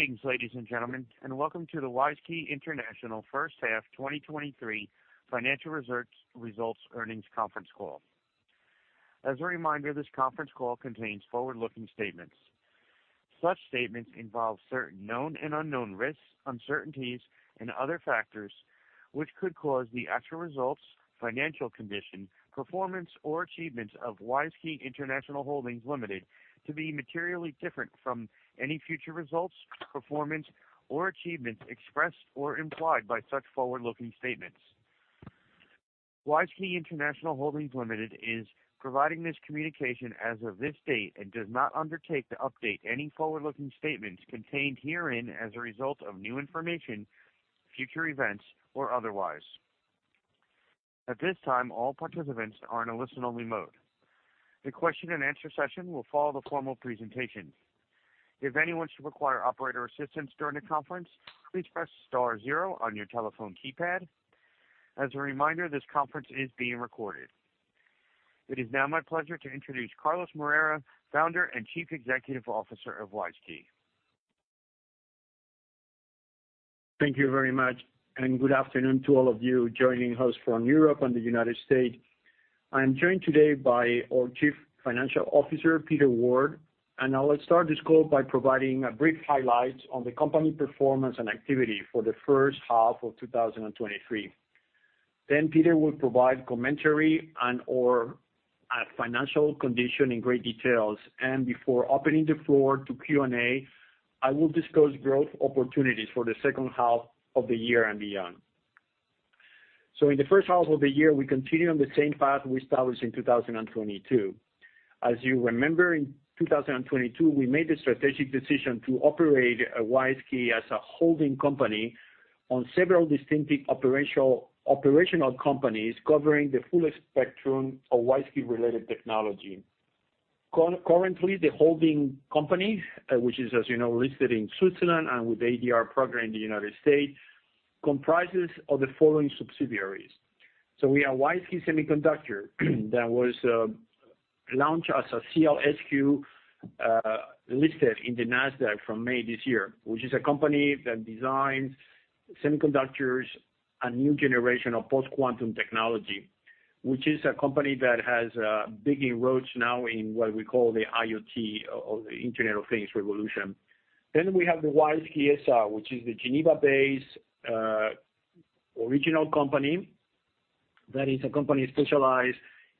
Greetings, ladies and gentlemen, and welcome to the WISeKey International First Half 2023 Financial Results Earnings Conference Call. As a reminder, this conference call contains forward-looking statements. Such statements involve certain known and unknown risks, uncertainties, and other factors, which could cause the actual results, financial condition, performance, or achievements of WISeKey International Holding Ltd to be materially different from any future results, performance, or achievements expressed or implied by such forward-looking statements. WISeKey International Holding Ltd is providing this communication as of this date and does not undertake to update any forward-looking statements contained herein as a result of new information, future events, or otherwise. At this time, all participants are in a listen-only mode. The question-and-answer session will follow the formal presentation. If anyone should require operator assistance during the conference, please press star zero on your telephone keypad. As a reminder, this conference is being recorded. It is now my pleasure to introduce Carlos Moreira, Founder and Chief Executive Officer of WISeKey. Thank you very much, and good afternoon to all of you joining us from Europe and the United States. I am joined today by our Chief Financial Officer, Peter Ward, and I will start this call by providing a brief highlights on the company performance and activity for the first half of 2023. Then Peter will provide commentary on our financial condition in great details, and before opening the floor to Q&A. I will discuss growth opportunities for the second half of the year and beyond. So in the first half of the year, we continued on the same path we established in 2022. As you remember, in 2022, we made the strategic decision to operate WISeKey as a holding company on several distinctive operational companies, covering the fullest spectrum of WISeKey-related technology. Concurrently, the holding company, which is, as you know, listed in Switzerland and with ADR program in the United States, comprises of the following subsidiaries. We have WISeKey Semiconductor that was launched as a SEALSQ, listed in the Nasdaq from May this year, which is a company that designs semiconductors and new generation of post-quantum technology, which is a company that has big inroads now in what we call the IoT or the Internet of Things revolution. We have the WISeKey SA, which is the Geneva-based original company. That is a company specialized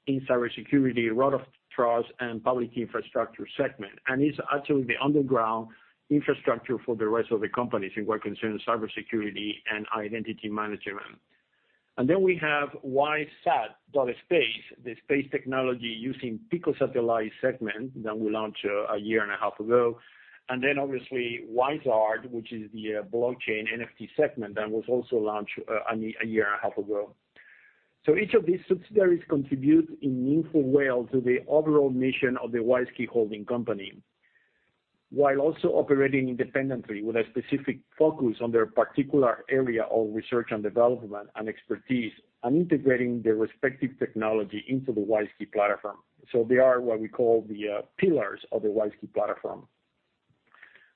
in cybersecurity, root of trust, and public key infrastructure segment, and it's actually the underlying infrastructure for the rest of the companies in what concerns cybersecurity and identity management. And then we have WISeSat.Space, the space technology using picosatellite segment that we launched a year and a half ago. And then obviously, WISe.ART, which is the blockchain NFT segment, that was also launched a year and a half ago. So each of these subsidiaries contribute in meaningful way to the overall mission of the WISeKey holding company, while also operating independently with a specific focus on their particular area of research and development and expertise, and integrating their respective technology into the WISeKey platform. So they are what we call the pillars of the WISeKey platform.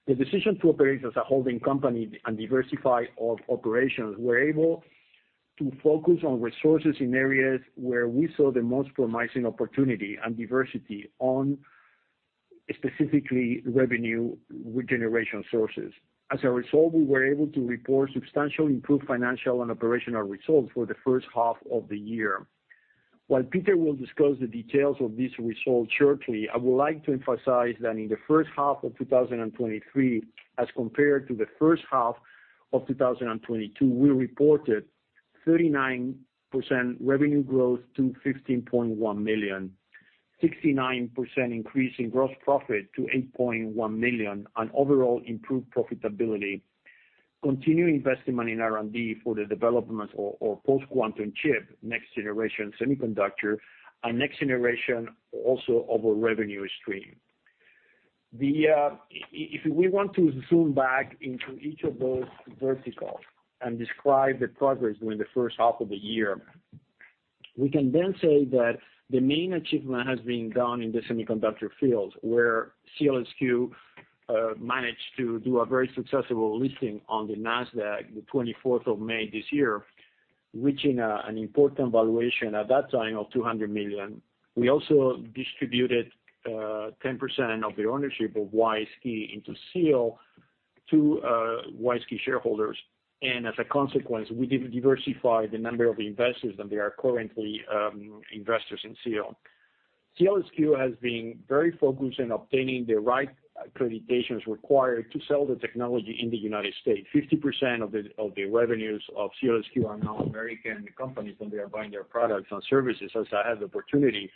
The decision to operate as a holding company and diversify all operations, we're able to focus on resources in areas where we saw the most promising opportunity and diversity on specifically revenue generation sources. As a result, we were able to report substantially improved financial and operational results for the first half of the year. While Peter will discuss the details of this result shortly, I would like to emphasize that in the first half of 2023, as compared to the first half of 2022, we reported 39% revenue growth to $15.1 million, 69% increase in gross profit to $8.1 million, and overall improved profitability, continuing investing money in R&D for the development of our post-quantum chip, next-generation semiconductor, and next generation also of a revenue stream. If we want to zoom back into each of those verticals and describe the progress during the first half of the year, we can then say that the main achievement has been done in the semiconductor field, where SEALSQ managed to do a very successful listing on the Nasdaq, the 24th of May this year, reaching an important valuation at that time of $200 million. We also distributed 10% of the ownership of WISeKey into SEALSQ to WISeKey shareholders, and as a consequence, we diversified the number of investors, and they are currently investors in SEALSQ. SEALSQ has been very focused in obtaining the right accreditations required to sell the technology in the United States. 50% of the revenues of SEALSQ are now American companies, and they are buying their products and services, as I had the opportunity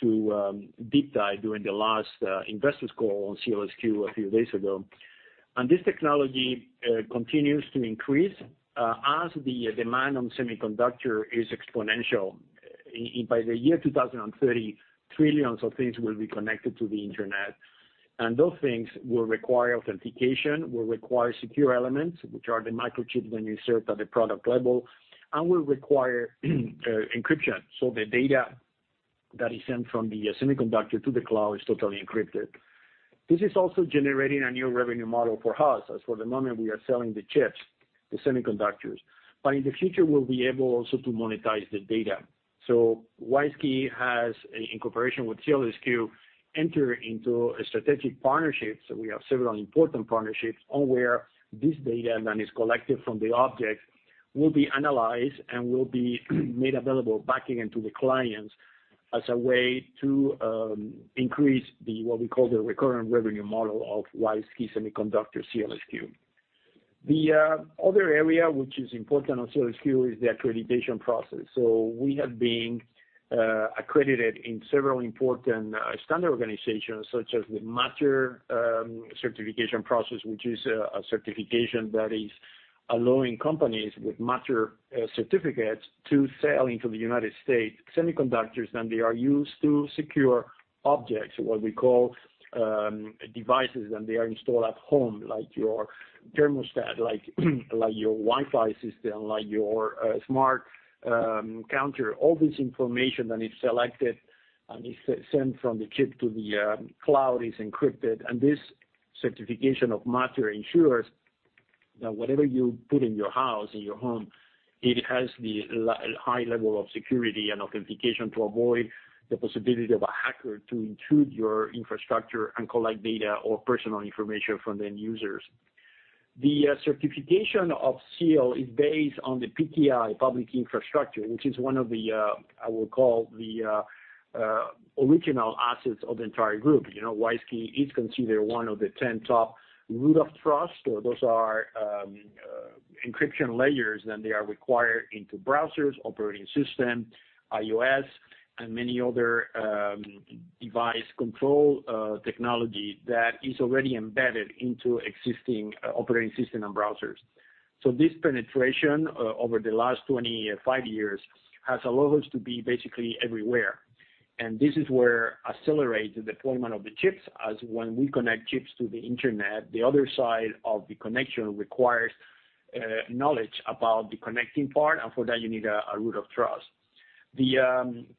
to deep dive during the last investors call on SEALSQ a few days ago. This technology continues to increase as the demand on semiconductor is exponential. By the year 2030, trillions of things will be connected to the Internet, and those things will require authentication, will require secure elements, which are the microchip when you serve at the product level, and will require encryption. So the data that is sent from the semiconductor to the cloud is totally encrypted. This is also generating a new revenue model for us, as for the moment, we are selling the chips, the semiconductors. But in the future, we'll be able also to monetize the data. So WISeKey has, in cooperation with SEALSQ, entered into a strategic partnership. So we have several important partnerships on where this data that is collected from the object will be analyzed and will be made available back again to the clients as a way to increase the, what we call the recurrent revenue model of WISeKey Semiconductor SEALSQ. The other area which is important on SEALSQ is the accreditation process. So we have been accredited in several important standard organizations, such as the Matter certification process, which is a certification that is allowing companies with Matter certificates to sell into the United States semiconductors, and they are used to secure objects, what we call, devices, and they are installed at home, like your thermostat, like, like your Wi-Fi system, like your smart counter. All this information that is selected and is sent from the chip to the, cloud is encrypted, and this certification of Matter ensures that whatever you put in your house, in your home, it has the high level of security and authentication to avoid the possibility of a hacker to intrude your infrastructure and collect data or personal information from the end users. The certification of Seal is based on the PKI, Public Key Infrastructure, which is one of the, I will call the, original assets of the entire group. You know, WISeKey is considered one of the 10 top root of trust, or those are, encryption layers, and they are required into browsers, operating system, iOS, and many other, device control, technology that is already embedded into existing, operating system and browsers. So this penetration over the last 25 years has allowed us to be basically everywhere. This is where accelerate the deployment of the chips, as when we connect chips to the internet, the other side of the connection requires knowledge about the connecting part, and for that, you need a root of trust. The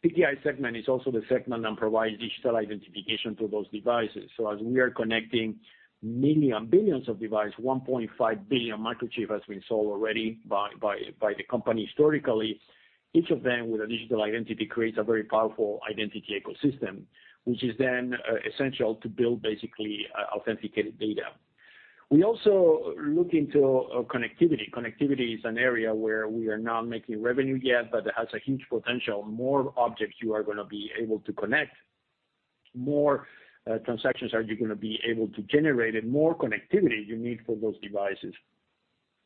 PKI segment is also the segment that provides digital identification to those devices. So as we are connecting millions, billions of devices, 1.5 billion microchips have been sold already by the company historically, each of them with a digital identity, creates a very powerful identity ecosystem, which is then essential to build basically authenticated data. We also look into connectivity. Connectivity is an area where we are not making revenue yet, but it has a huge potential. More objects you are gonna be able to connect, more transactions are you gonna be able to generate, and more connectivity you need for those devices.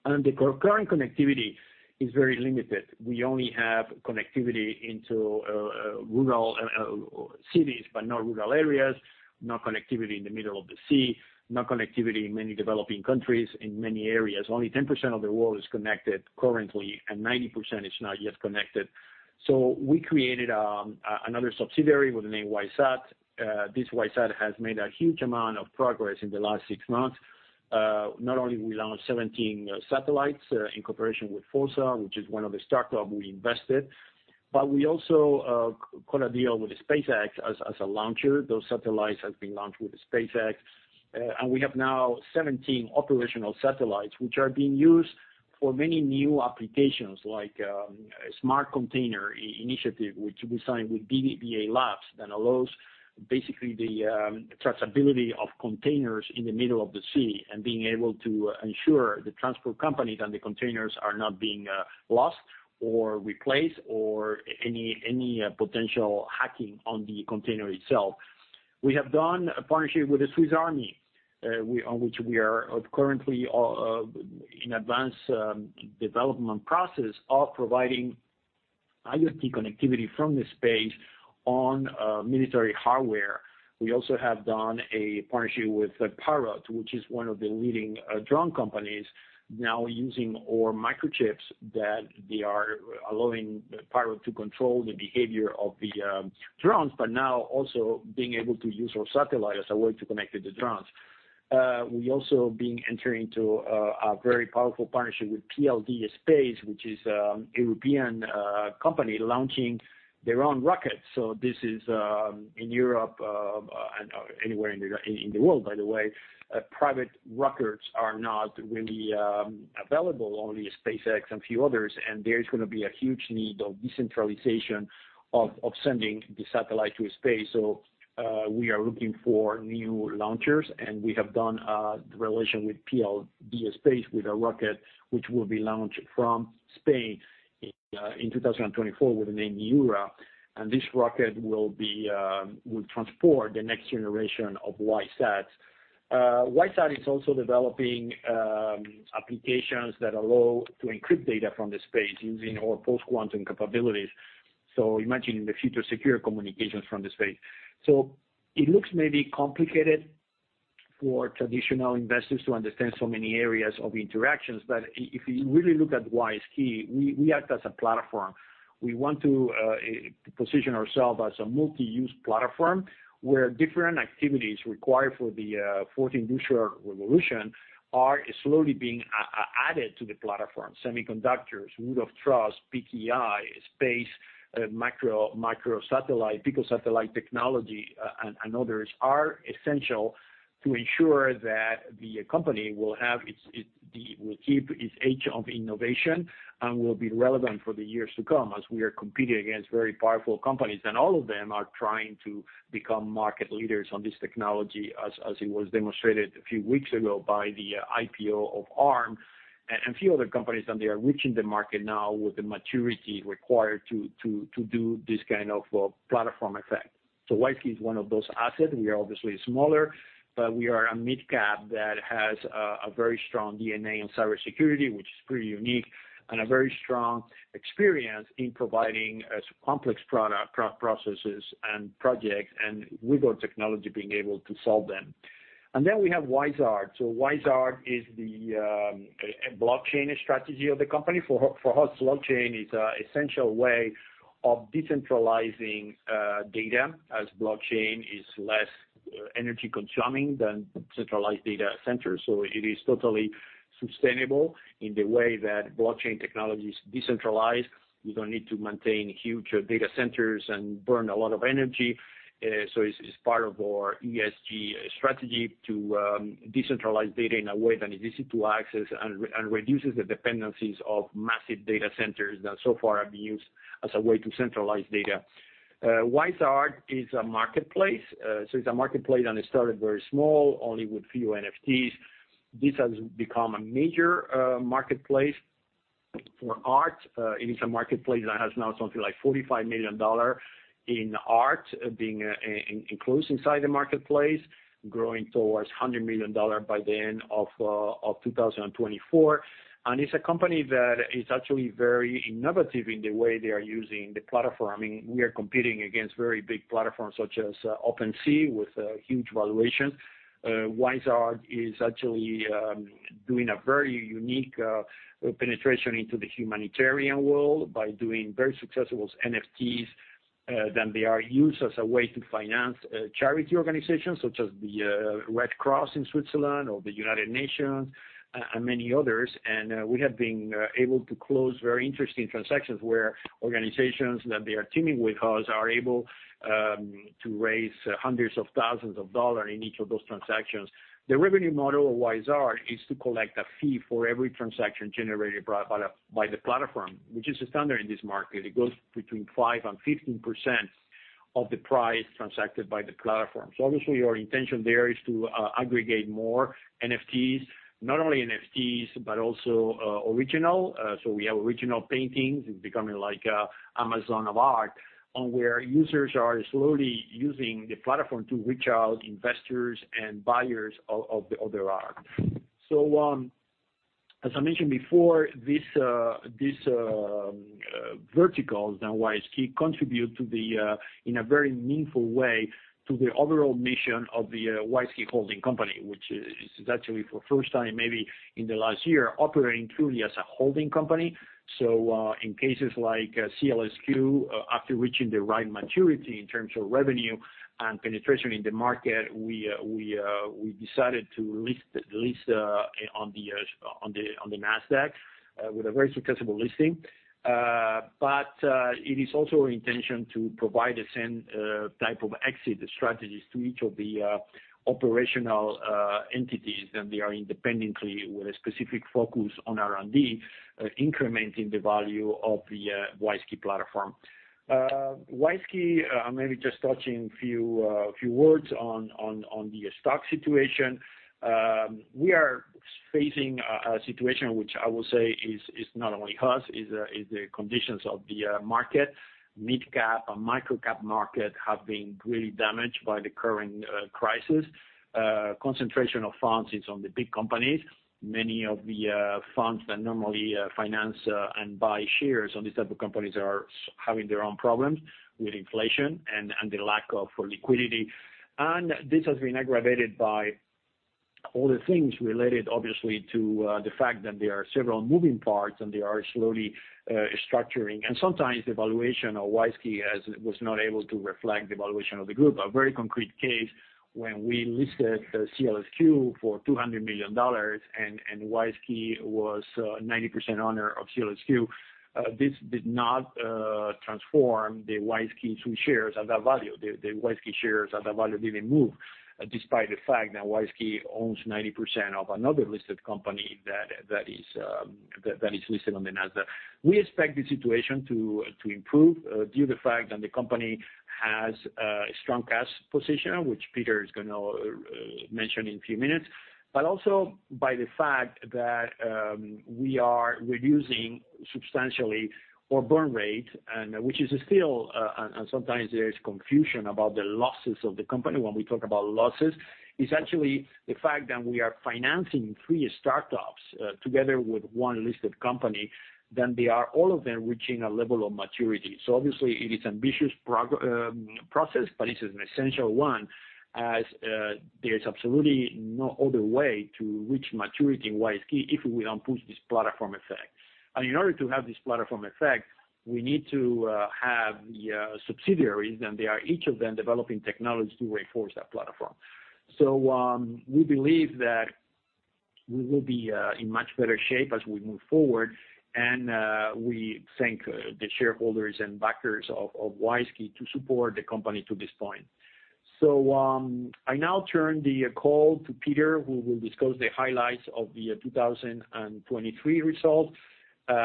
The current connectivity is very limited. We only have connectivity into rural cities, but not rural areas, no connectivity in the middle of the sea, no connectivity in many developing countries, in many areas. Only 10% of the world is connected currently, and 90% is not yet connected. So we created a another subsidiary with the name WISeSat. This WISeSat has made a huge amount of progress in the last six months. Not only we launched 17 satellites in cooperation with FOSSA, which is one of the startup we invested, but we also got a deal with SpaceX as a launcher. Those satellites have been launched with the SpaceX, and we have now 17 operational satellites, which are being used for many new applications, like, a smart container initiative, which we signed with BBVA Labs, that allows basically the, traceability of containers in the middle of the sea, and being able to ensure the transport companies, that the containers are not being, lost or replaced or any potential hacking on the container itself. We have done a partnership with the Swiss Army, on which we are currently in advanced development process of providing IoT connectivity from the space on military hardware. We also have done a partnership with Parrot, which is one of the leading drone companies now using our microchips, that they are allowing Parrot to control the behavior of the drones, but now also being able to use our satellite as a way to connect to the drones. We also being entering into a very powerful partnership with PLD Space, which is European company launching their own rockets. So this is in Europe and anywhere in the world, by the way, private rockets are not really available, only SpaceX and a few others, and there is gonna be a huge need of decentralization of sending the satellite to space. So, we are looking for new launchers, and we have done the relation with PLD Space, with a rocket which will be launched from Spain in 2024, with the name Miura. And this rocket will transport the next generation of WISeSats. WISeSat is also developing applications that allow to encrypt data from the space using our post-quantum capabilities. So imagine in the future, secure communications from the space. So it looks maybe complicated? for traditional investors to understand so many areas of interactions. But if you really look at WISeKey, we act as a platform. We want to position ourselves as a multi-use platform, where different activities required for the fourth industrial revolution are slowly being added to the platform. Semiconductors, root of trust, PKI, space, micro, microsatellite, picosatellite technology, and others, are essential to ensure that the company will have its will keep its edge of innovation and will be relevant for the years to come, as we are competing against very powerful companies. And all of them are trying to become market leaders on this technology, as it was demonstrated a few weeks ago by the IPO of Arm and a few other companies, and they are reaching the market now with the maturity required to do this kind of platform effect. So WISeKey is one of those assets. We are obviously smaller, but we are a mid-cap that has a very strong DNA in cybersecurity, which is pretty unique, and a very strong experience in providing complex products, processes and projects, and we've got technology being able to solve them. And then we have WISe.ART. So WISe.ART is the blockchain strategy of the company. For us, blockchain is an essential way of decentralizing data, as blockchain is less energy-consuming than centralized data centers. So it is totally sustainable in the way that blockchain technology is decentralized. You don't need to maintain huge data centers and burn a lot of energy. So it's part of our ESG strategy to decentralize data in a way that is easy to access and reduces the dependencies of massive data centers that so far have been used as a way to centralize data. WISe.ART is a marketplace. So it's a marketplace, and it started very small, only with few NFTs. This has become a major marketplace for art. It is a marketplace that has now something like $45 million in art being enclosed inside the marketplace, growing towards $100 million by the end of 2024. And it's a company that is actually very innovative in the way they are using the platform. I mean, we are competing against very big platforms, such as OpenSea, with huge valuations. WISe.ART is actually doing a very unique penetration into the humanitarian world by doing very successful NFTs that they are used as a way to finance charity organizations, such as the Red Cross in Switzerland or the United Nations, and many others. And we have been able to close very interesting transactions, where organizations that they are teaming with us are able to raise hundreds of thousands of dollar in each of those transactions. The revenue model of WISe.ART is to collect a fee for every transaction generated by the platform, which is a standard in this market. It goes between 5% and 15% of the price transacted by the platform. So obviously, our intention there is to aggregate more NFTs, not only NFTs, but also original. So we have original paintings. It's becoming like an Amazon of art, and where users are slowly using the platform to reach out investors and buyers of the other art. So, as I mentioned before, this verticals that WISeKey contribute to the in a very meaningful way to the overall mission of the WISeKey holding company, which is actually, for first time, maybe in the last year, operating truly as a holding company. So, in cases like SEALSQ, after reaching the right maturity in terms of revenue and penetration in the market, we decided to list on the NASDAQ with a very successful listing. But it is also our intention to provide the same type of exit strategies to each of the operational entities, and they are independently with a specific focus on R&D, incrementing the value of the WISeKey platform. WISeKey, maybe just touching a few words on the stock situation. We are facing a situation which I will say is not only us, is the conditions of the market. Mid-cap and micro-cap market have been really damaged by the current crisis. Concentration of funds is on the big companies. Many of the funds that normally finance and buy shares on these type of companies are having their own problems with inflation and the lack of liquidity. This has been aggravated by all the things related, obviously, to the fact that there are several moving parts, and they are slowly structuring. Sometimes the valuation of WISeKey has was not able to reflect the valuation of the group. A very concrete case, when we listed SEALSQ for $200 million, and WISeKey was 90% owner of SEALSQ, this did not transform the WISeKey shares at that value. The WISeKey shares at that value didn't move, despite the fact that WISeKey owns 90% of another listed company that is listed on the NASDAQ. We expect the situation to improve due to the fact that the company has a strong cash position, which Peter is gonna mention in a few minutes, but also by the fact that we are reducing substantially our burn rate, and which is still and sometimes there is confusion about the losses of the company. When we talk about losses, it's actually the fact that we are financing three startups together with one listed company that they are all of them reaching a level of maturity. So obviously, it is ambitious process, but it is an essential one, as there is absolutely no other way to reach maturity in WISeKey if we don't push this platform effect. In order to have this platform effect, we need to have the subsidiaries, and they are each of them developing technology to reinforce that platform.... We believe that we will be in much better shape as we move forward, and we thank the shareholders and backers of WISeKey to support the company to this point. I now turn the call to Peter, who will discuss the highlights of the 2023 results.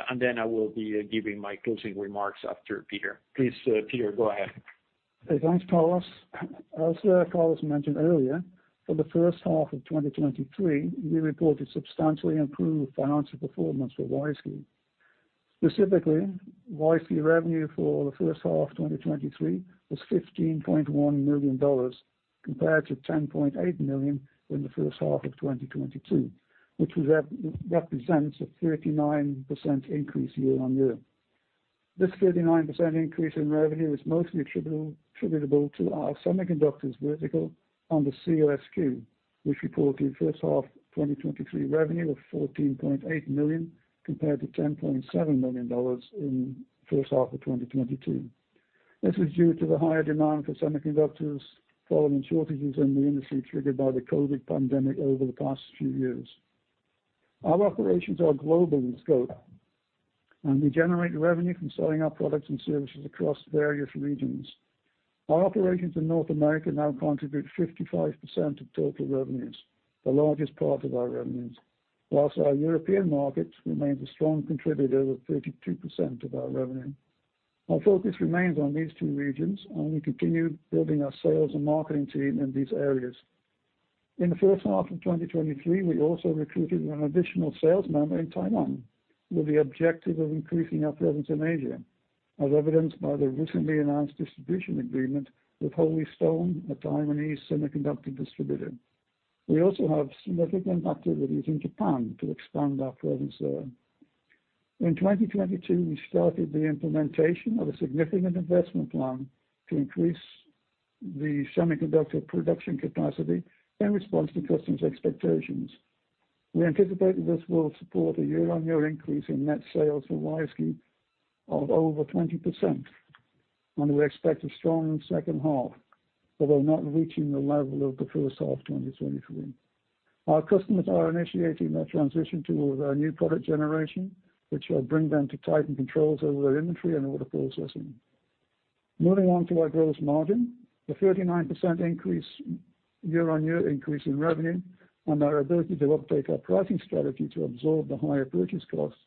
And then I will be giving my closing remarks after Peter. Please, Peter, go ahead. Thanks, Carlos. As Carlos mentioned earlier, for the first half of 2023, we reported substantially improved financial performance for WISeKey. Specifically, WISeKey revenue for the first half 2023 was $15.1 million, compared to $10.8 million in the first half of 2022, which represents a 39% increase year-on-year. This 39% increase in revenue is mostly attributable to our semiconductors vertical on the SEALSQ, which reported first half 2023 revenue of $14.8 million, compared to $10.7 million in first half of 2022. This is due to the higher demand for semiconductors following shortages in the industry, triggered by the COVID pandemic over the past few years. Our operations are global in scope, and we generate revenue from selling our products and services across various regions. Our operations in North America now contribute 55% of total revenues, the largest part of our revenues, while our European market remains a strong contributor with 32% of our revenue. Our focus remains on these two regions, and we continue building our sales and marketing team in these areas. In the first half of 2023, we also recruited an additional sales member in Taiwan, with the objective of increasing our presence in Asia, as evidenced by the recently announced distribution agreement with Holy Stone, a Taiwanese semiconductor distributor. We also have significant activities in Japan to expand our presence there. In 2022, we started the implementation of a significant investment plan to increase the semiconductor production capacity in response to customers' expectations. We anticipate this will support a year-on-year increase in net sales for WISeKey of over 20%, and we expect a strong second half, although not reaching the level of the first half 2023. Our customers are initiating their transition to our new product generation, which will bring them to tighten controls over their inventory and order processing. Moving on to our gross margin, the 39% increase, year-on-year increase in revenue and our ability to update our pricing strategy to absorb the higher purchase costs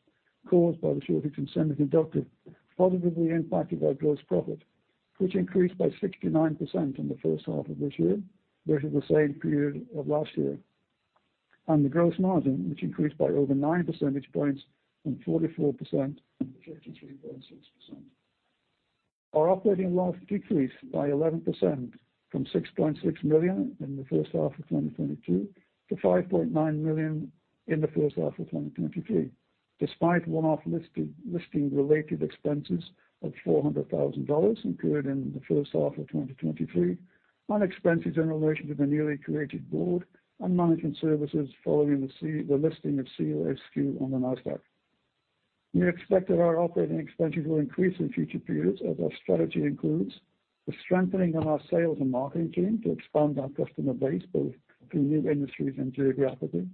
caused by the shortage in semiconductors, positively impacted our gross profit, which increased by 69% in the first half of this year versus the same period of last year. The gross margin, which increased by over nine percentage points from 44% to 33.6%. Our operating loss decreased by 11% from $6.6 million in the first half of 2022, to $5.9 million in the first half of 2023, despite one-off listing related expenses of $400,000 incurred in the first half of 2023, and expenses in relation to the newly created board and management services following the listing of SEALSQ on the Nasdaq. We expect that our operating expenses will increase in future periods, as our strategy includes the strengthening of our sales and marketing team to expand our customer base, both to new industries and geographically.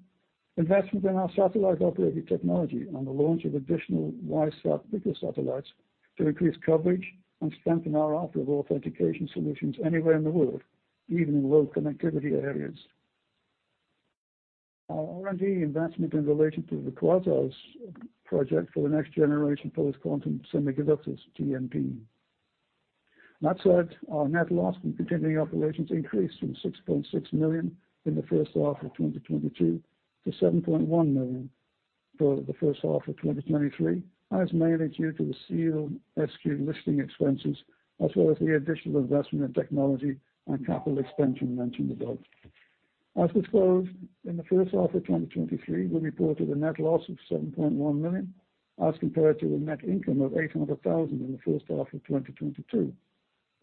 Investment in our satellite operating technology and the launch of additional WISeSat picosatellites to increase coverage and strengthen our offer of authentication solutions anywhere in the world, even in low connectivity areas. Our R&D investment in relation to the Quasar project for the next generation post-quantum semiconductors, TPM. That said, our net loss from continuing operations increased from 6.6 million in the first half of 2022 to 7.1 million for the first half of 2023, and is mainly due to the SEALSQ listing expenses, as well as the additional investment in technology and capital expenditure mentioned above. As disclosed, in the first half of 2023, we reported a net loss of 7.1 million, as compared to a net income of 800,000 in the first half of 2022,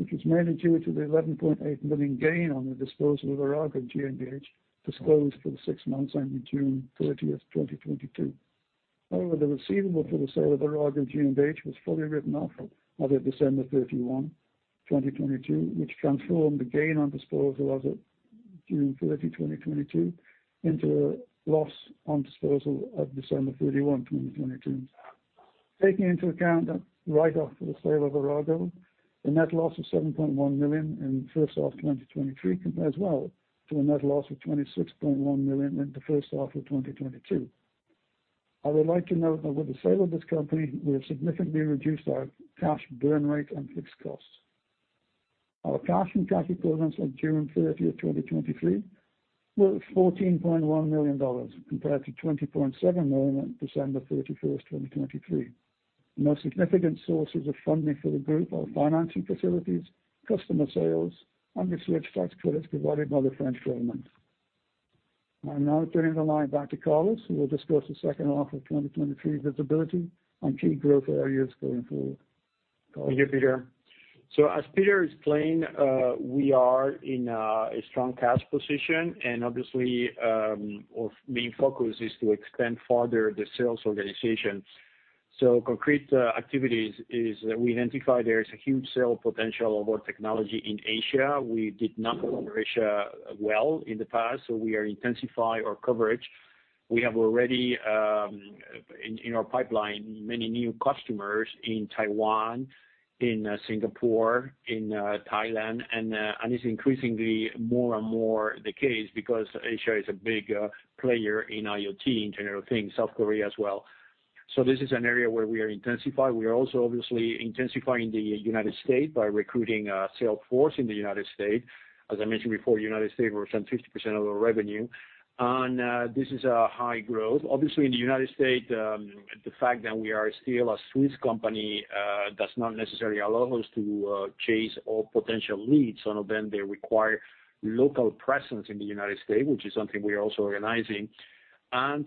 which was mainly due to the 11.8 million gain on the disposal of Arago GmbH, disclosed for the six months ending June 30, 2022. However, the receivable for the sale of Arago GmbH was fully written off as of December 31, 2022, which transformed the gain on disposal as of June 30, 2022, into a loss on disposal of December 31, 2022. Taking into account the write-off for the sale of Arago, the net loss of $7.1 million in the first half of 2023 compares well to a net loss of $26.1 million in the first half of 2022. I would like to note that with the sale of this company, we have significantly reduced our cash burn rate and fixed costs. Our cash and cash equivalents on June 30, 2023, were $14.1 million, compared to $20.7 million on December 31, 2023. The most significant sources of funding for the group are financing facilities, customer sales, and the research tax credits provided by the French government. I'll now turn the line back to Carlos, who will discuss the second half of 2023 visibility on key growth areas going forward. Carlos? Thank you, Peter. So as Peter explained, we are in a strong cash position, and obviously, our main focus is to extend further the sales organization. So concrete activities is we identify there is a huge sale potential of our technology in Asia. We did not cover Asia well in the past, so we are intensify our coverage. We have already, in our pipeline, many new customers in Taiwan, in Singapore, in Thailand, and it's increasingly more and more the case because Asia is a big player in IoT, in general things, South Korea as well. So this is an area where we are intensified. We are also obviously intensifying the United States by recruiting sales force in the United States. As I mentioned before, United States represents 50% of our revenue, and this is a high growth. Obviously, in the United States, the fact that we are still a Swiss company does not necessarily allow us to chase all potential leads, and when they require local presence in the United States, which is something we are also organizing, and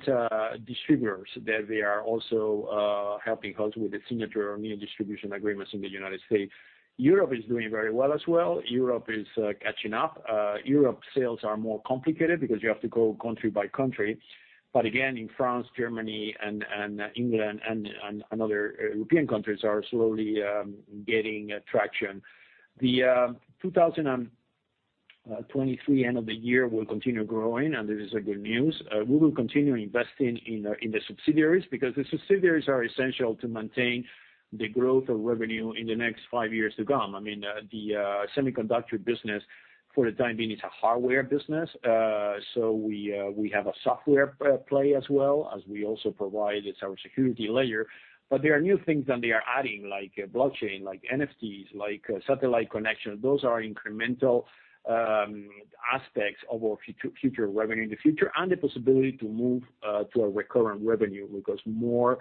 distributors that they are also helping us with the signature of new distribution agreements in the United States. Europe is doing very well as well. Europe is catching up. Europe sales are more complicated because you have to go country by country. But again, in France, Germany, and England, and other European countries are slowly getting traction. The 2023 end of the year will continue growing, and this is good news. We will continue investing in in the subsidiaries, because the subsidiaries are essential to maintain the growth of revenue in the next five years to come. I mean, the semiconductor business, for the time being, it's a hardware business. So we have a software play as well, as we also provide as our security layer. But there are new things that they are adding, like blockchain, like NFTs, like satellite connection. Those are incremental aspects of our future revenue in the future, and the possibility to move to a recurrent revenue, because more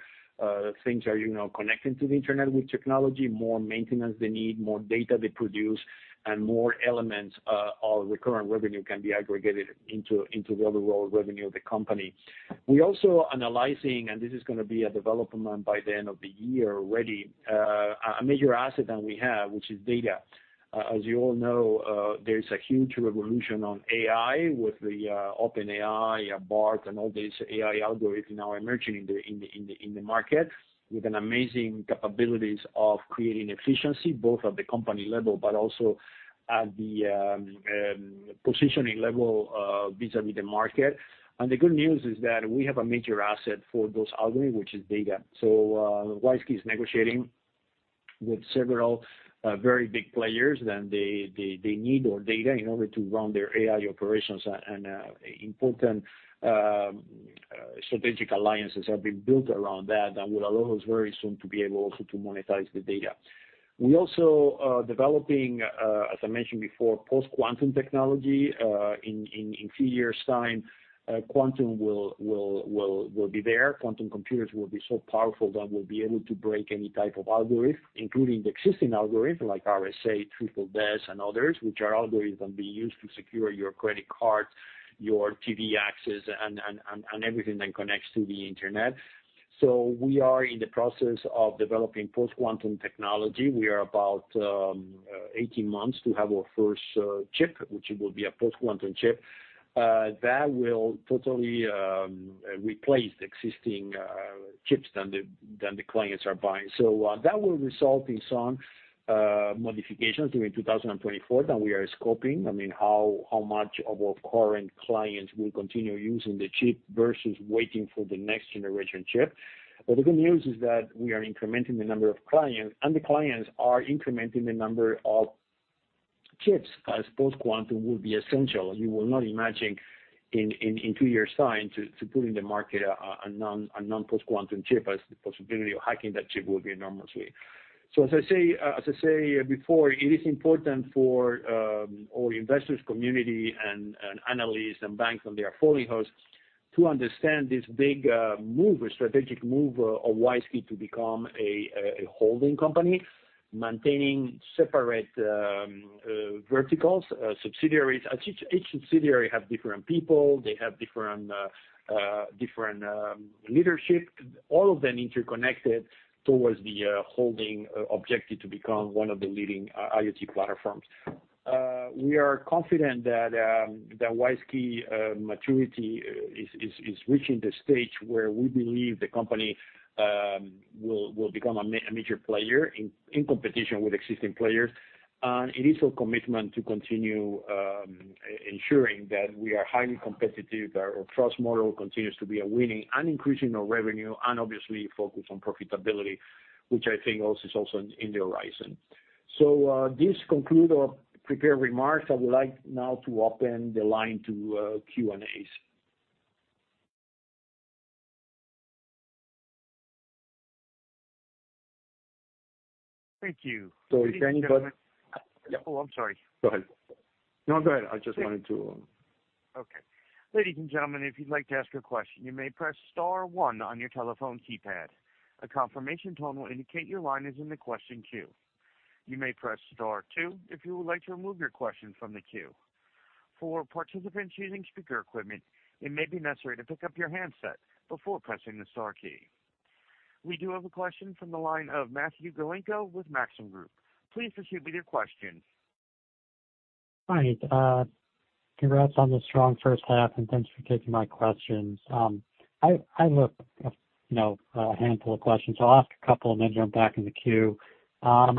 things are, you know, connected to the internet with technology, more maintenance they need, more data they produce, and more elements of recurrent revenue can be aggregated into the overall revenue of the company. We also analyzing, and this is gonna be a development by the end of the year already, a major asset that we have, which is data. As you all know, there is a huge revolution on AI with the OpenAI, Bard, and all these AI algorithms now emerging in the market, with an amazing capabilities of creating efficiency, both at the company level, but also at the positioning level, vis-a-vis the market. And the good news is that we have a major asset for those algorithms, which is data. So, WISeKey is negotiating with several very big players, and they need our data in order to run their AI operations, and important strategic alliances have been built around that and will allow us very soon to be able also to monetize the data. We also developing, as I mentioned before, post-quantum technology, in few years' time, quantum will be there. Quantum computers will be so powerful that will be able to break any type of algorithm, including the existing algorithm, like RSA, Triple DES, and others, which are algorithm being used to secure your credit card, your TV access, and everything that connects to the internet. So we are in the process of developing post-quantum technology. We are about 18 months to have our first chip, which it will be a post-quantum chip. That will totally replace the existing chips that the clients are buying. So, that will result in some modifications during 2024, that we are scoping. I mean, how much of our current clients will continue using the chip versus waiting for the next generation chip. But the good news is that we are incrementing the number of clients, and the clients are incrementing the number of chips, as post-quantum will be essential. You will not imagine in two years' time, to put in the market a non-post-quantum chip, as the possibility of hacking that chip will be enormously. So as I say, as I say before, it is important for all investors, community and analysts and banks and their portfolio to understand this big move, strategic move of WISeKey to become a holding company, maintaining separate verticals, subsidiaries. As each subsidiary have different people, they have different different leadership, all of them interconnected towards the holding objective to become one of the leading IoT platforms. We are confident that WISeKey maturity is reaching the stage where we believe the company will become a major player in competition with existing players. It is our commitment to continue ensuring that we are highly competitive, our trust model continues to be a winning and increasing our revenue, and obviously focus on profitability, which I think also is also in the horizon. So, this conclude our prepared remarks. I would like now to open the line to Q&As. Thank you. Is there any question? Oh, I'm sorry. Go ahead. No, go ahead. I just wanted to... Okay. Ladies and gentlemen, if you'd like to ask a question, you may press star one on your telephone keypad. A confirmation tone will indicate your line is in the question queue. You may press star two if you would like to remove your question from the queue. For participants using speaker equipment, it may be necessary to pick up your handset before pressing the star key. We do have a question from the line of Matthew Galinko with Maxim Group. Please proceed with your question. Hi, congrats on the strong first half, and thanks for taking my questions. I, you know, have a handful of questions. So I'll ask a couple and then jump back in the queue. I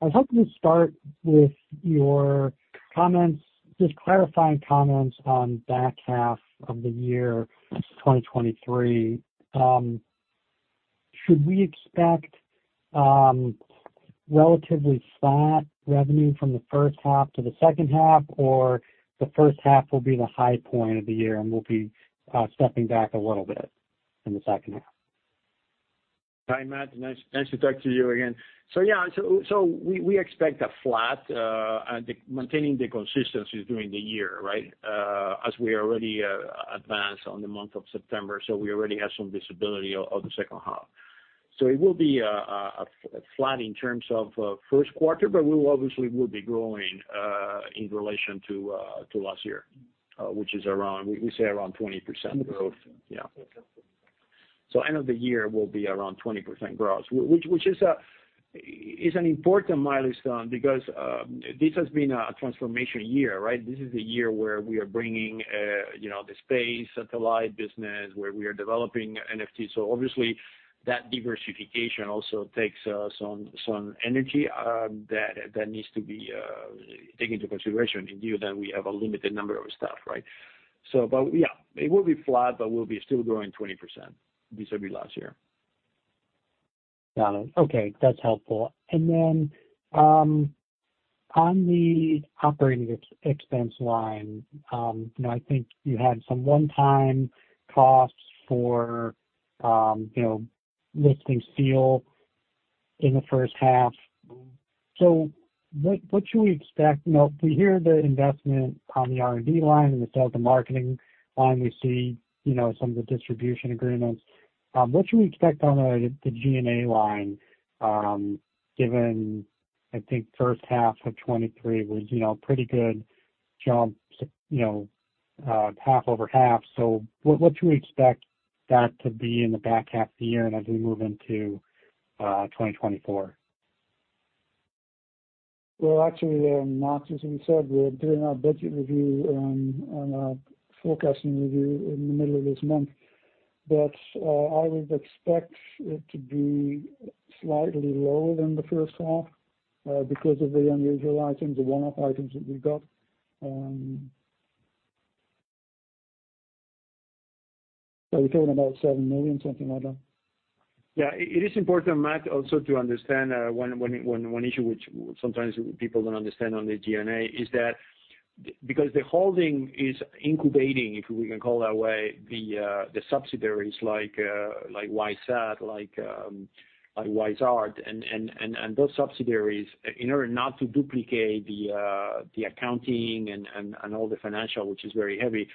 was hoping to start with your comments, just clarifying comments on back half of the year 2023. Should we expect relatively flat revenue from the first half to the second half, or the first half will be the high point of the year, and we'll be stepping back a little bit in the second half? Hi, Matt. Nice, nice to talk to you again. So yeah, so we expect a flat maintaining the consistency during the year, right? As we already advanced on the month of September, so we already have some visibility of the second half. So it will be a flat in terms of Q1, but we will obviously will be growing in relation to last year, which is around, we say, around 20% growth. Yeah. So end of the year will be around 20% growth, which is an important milestone because this has been a transformation year, right? This is the year where we are bringing you know, the space satellite business, where we are developing NFT. So obviously, that diversification also takes some energy that needs to be taken into consideration, and due that we have a limited number of staff, right? So but, yeah, it will be flat, but we'll be still growing 20% vis-a-vis last year. Got it. Okay, that's helpful. Then, on the operating expense line, you know, I think you had some one-time costs for, you know, listing SEALSQ in the first half. So what should we expect? You know, we hear the investment on the R&D line, and the sales and marketing line, we see, you know, some of the distribution agreements. What should we expect on the G&A line, given, I think, first half of 2023 was, you know, pretty good jump, you know, half over half. So what should we expect that to be in the back half of the year and as we move into 2024? Well, actually, Matt, as we said, we're doing our budget review and our forecasting review in the middle of this month. I would expect it to be slightly lower than the first half, because of the unusual items, the one-off items that we got. Are we talking about $7 million, something like that? Yeah, it is important, Matt, also to understand one issue, which sometimes people don't understand on the G&A, is that because the holding is incubating, if we can call that way, the subsidiaries like WISeSat, like WISe.ART, and those subsidiaries, in order not to duplicate the accounting and all the financial, which is very heavy,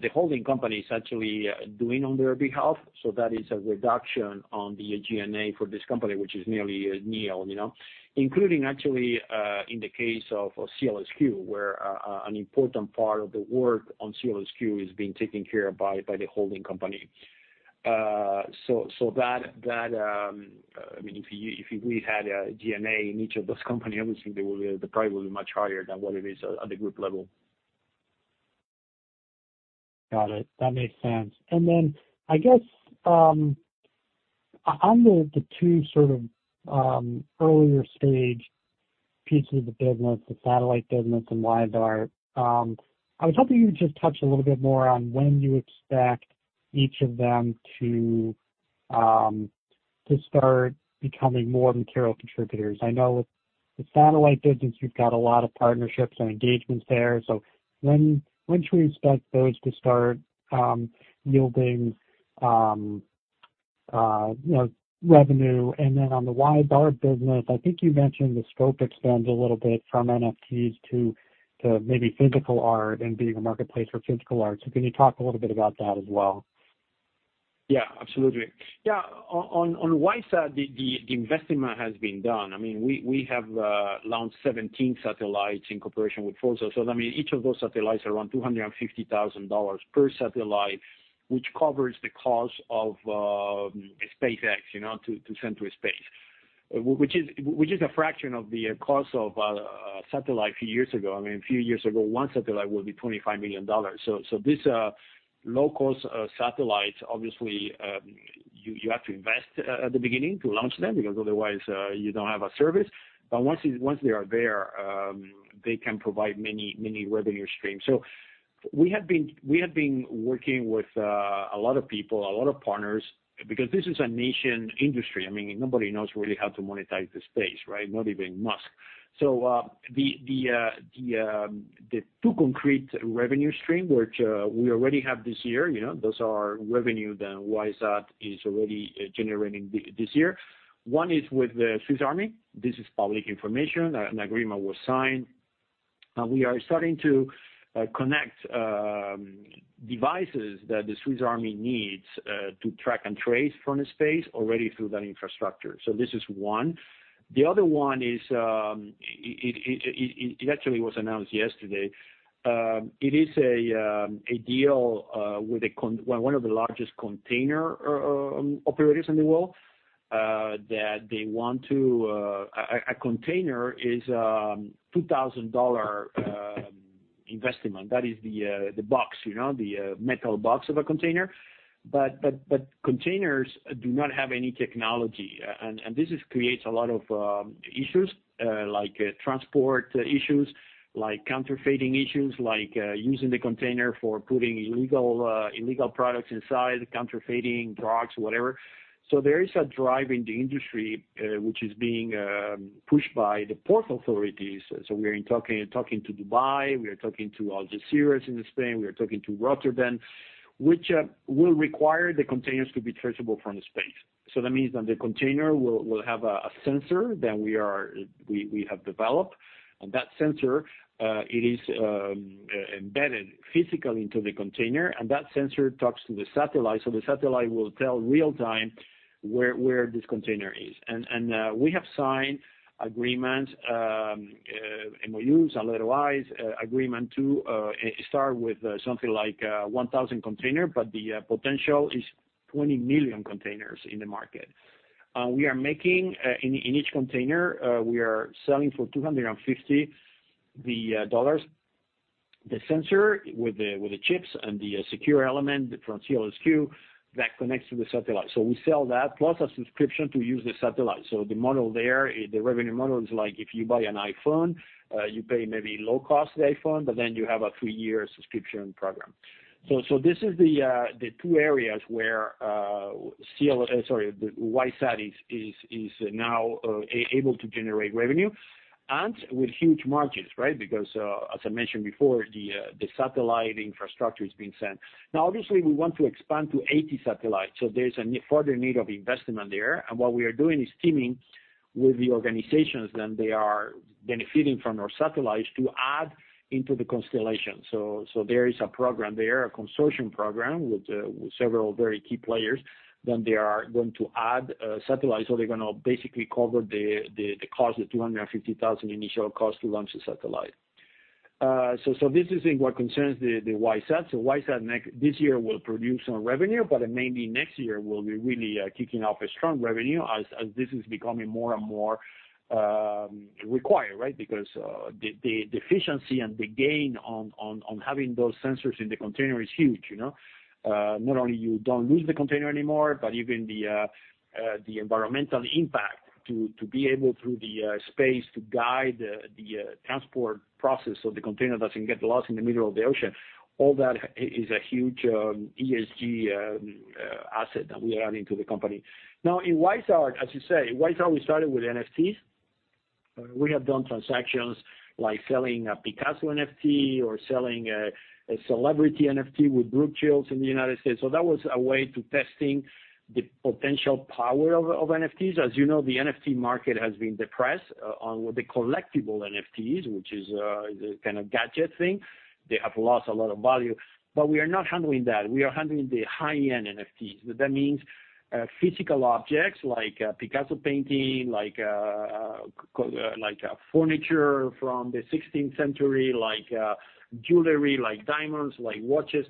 the holding company is actually doing on their behalf. So that is a reduction on the G&A for this company, which is nearly nil, you know? Including actually, in the case of SEALSQ, where an important part of the work on SEALSQ is being taken care of by the holding company. So that, I mean, if we had a G&A in each of those company, obviously, they will, they probably will be much higher than what it is at the group level. Got it. That makes sense. And then, I guess, on the two sort of earlier stage pieces of the business, the satellite business and WISe.ART, I was hoping you would just touch a little bit more on when you expect each of them to start becoming more material contributors. I know with the satellite business, you've got a lot of partnerships and engagements there. So when should we expect those to start yielding, you know, revenue? And then on the WISe.ART business, I think you mentioned the scope expands a little bit from NFTs to maybe physical art and being a marketplace for physical art. So can you talk a little bit about that as well? Yeah, absolutely. Yeah, on WISeSat, the investment has been done. I mean, we have launched 17 satellites in cooperation with FOSSA. So, I mean, each of those satellites are around $250,000 per satellite, which covers the cost of SpaceX, you know, to send to a space. Which is a fraction of the cost of a satellite a few years ago. I mean, a few years ago, one satellite will be $25 million. So this low-cost satellites, obviously, you have to invest at the beginning to launch them, because otherwise you don't have a service. But once they are there, they can provide many revenue streams. So we have been working with a lot of people, a lot of partners, because this is a national industry. I mean, nobody knows really how to monetize the space, right? Not even Musk. So, the two concrete revenue streams, which we already have this year, you know, those are revenue that WISeSat is already generating this year. One is with the Swiss Army. This is public information. An agreement was signed, and we are starting to connect devices that the Swiss Army needs to track and trace from space already through that infrastructure. So this is one. The other one is, it actually was announced yesterday... It is a deal with one of the largest container operators in the world that they want to... A container is $2,000 investment. That is the box, you know, the metal box of a container. But containers do not have any technology, and this creates a lot of issues, like transport issues, like counterfeiting issues, like using the container for putting illegal products inside, counterfeiting, drugs, whatever. So there is a drive in the industry, which is being pushed by the port authorities. So we are talking to Dubai, we are talking to Algeciras in Spain, we are talking to Rotterdam, which will require the containers to be traceable from the space. So that means that the container will have a sensor that we have developed, and that sensor is embedded physically into the container, and that sensor talks to the satellite. So the satellite will tell real time where this container is. And we have signed agreements, MOUs and otherwise, agreement to start with something like 1,000 containers, but the potential is 20 million containers in the market. We are making in each container we are selling for $250 the sensor with the chips and the secure element from SEALSQ that connects to the satellite. So we sell that, plus a subscription to use the satellite. So the model there, the revenue model is like if you buy an iPhone, you pay maybe low cost the iPhone, but then you have a three-year subscription program. So this is the two areas where the WISeSat is now able to generate revenue and with huge margins, right? Because as I mentioned before, the satellite infrastructure is being sent. Now, obviously, we want to expand to 80 satellites, so there's a further need of investment there. And what we are doing is teaming with the organizations, and they are benefiting from our satellites to add into the constellation. So there is a program there, a consortium program, with several very key players, then they are going to add a satellite. So they're gonna basically cover the cost, the $250,000 initial cost to launch the satellite. So this is in what concerns the WISeSat. So WISeSat next, this year will produce some revenue, but it may be next year, we'll be really kicking off a strong revenue as this is becoming more and more required, right? Because the efficiency and the gain on having those sensors in the container is huge, you know. Not only you don't lose the container anymore, but even the environmental impact to be able through the space to guide the transport process so the container doesn't get lost in the middle of the ocean. All that is a huge ESG asset that we are adding to the company. Now, in WISe.ART, as you say, WISe.ART, we started with NFTs. We have done transactions like selling a Picasso NFT or selling a celebrity NFT with Brooke Shields in the United States. So that was a way to testing the potential power of NFTs. As you know, the NFT market has been depressed on the collectible NFTs, which is the kind of gadget thing. They have lost a lot of value, but we are not handling that. We are handling the high-end NFTs. That means physical objects like a Picasso painting, like a furniture from the sixteenth century, like jewelry, like diamonds, like watches,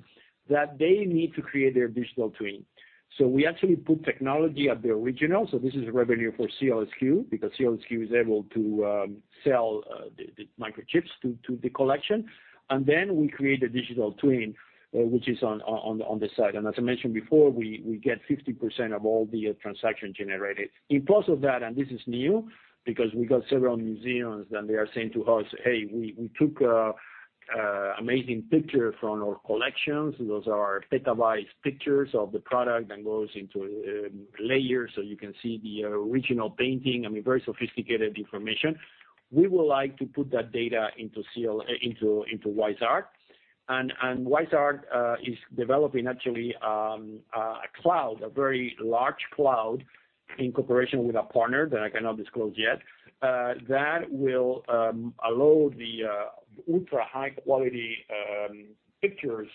that they need to create their digital twin. So we actually put technology at the original. So this is revenue for SEALSQ, because SEALSQ is able to sell the microchips to the collection. And then we create a digital twin, which is on the site. And as I mentioned before, we get 50% of all the transaction generated. In plus of that, and this is new, because we got several museums, and they are saying to us, "Hey, we took amazing picture from our collections. Those are petabytes pictures of the product and goes into layers, so you can see the original painting." I mean, very sophisticated information. We would like to put that data into WISe.ART. WISe.ART is developing actually a very large cloud, in cooperation with a partner that I cannot disclose yet, that will allow the ultra-high-quality pictures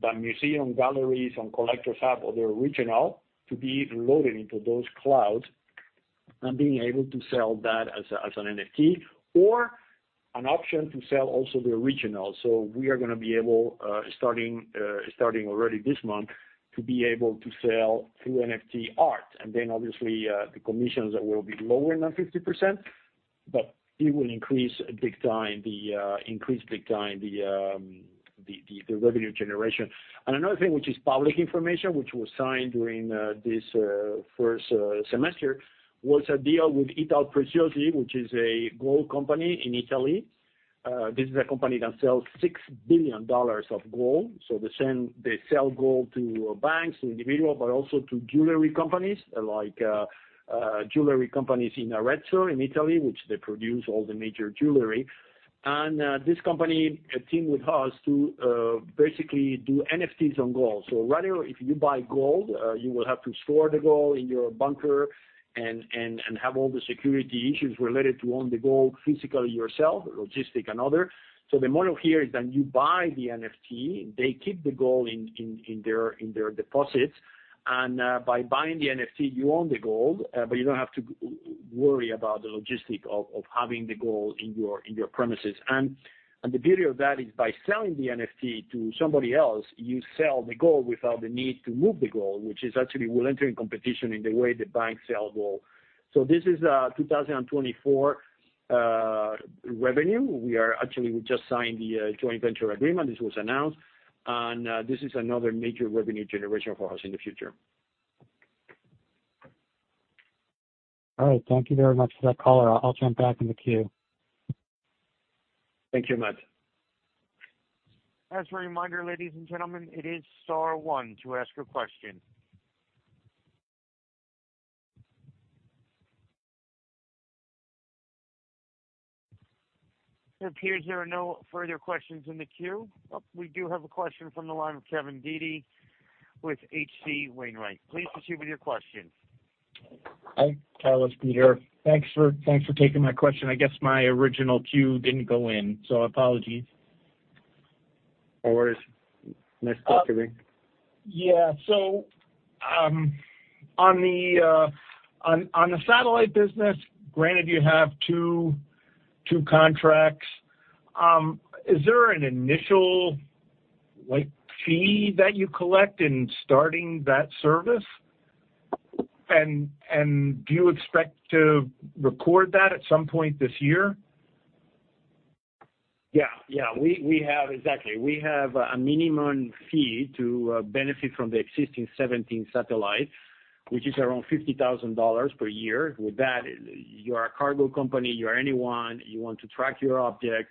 that museum, galleries, and collectors have of the original to be loaded into those clouds, and being able to sell that as an NFT, or an option to sell also the original. So we are gonna be able, starting already this month, to be able to sell through NFT art. And then obviously, the commissions will be lower than 50%, but it will increase big time the revenue generation. And another thing, which is public information, which was signed during this first semester, was a deal with Italpreziosi, which is a gold company in Italy. This is a company that sells $6 billion of gold. So they sell gold to banks and individuals, but also to jewelry companies, like jewelry companies in Arezzo, in Italy, which produce all the major jewelry. And this company teamed with us to basically do NFTs on gold. So rather, if you buy gold, you will have to store the gold in your bunker and have all the security issues related to owning the gold physically yourself, logistics and other. So the model here is that you buy the NFT, they keep the gold in their deposits. And by buying the NFT, you own the gold, but you don't have to worry about the logistics of having the gold in your premises. And the beauty of that is by selling the NFT to somebody else, you sell the gold without the need to move the gold, which is actually will enter in competition in the way the banks sell gold. So this is 2024 revenue. We are actually we just signed the joint venture agreement. This was announced, and this is another major revenue generation for us in the future. All right. Thank you very much for that caller. I'll jump back in the queue. Thank you very much. As a reminder, ladies and gentlemen, it is star one to ask a question. It appears there are no further questions in the queue. Oh, we do have a question from the line of Kevin Dede with H.C. Wainwright. Please proceed with your question. Hi, Carlos, Peter. Thanks for, thanks for taking my question. I guess my original queue didn't go in, so apologies. No worries. Nice talking. Yeah. So, on the satellite business, granted you have two contracts, is there an initial, like, fee that you collect in starting that service? And do you expect to record that at some point this year? Yeah, yeah, we have. Exactly. We have a minimum fee to benefit from the existing 17 satellites, which is around $50,000 per year. With that, you are a cargo company, you are anyone, you want to track your object,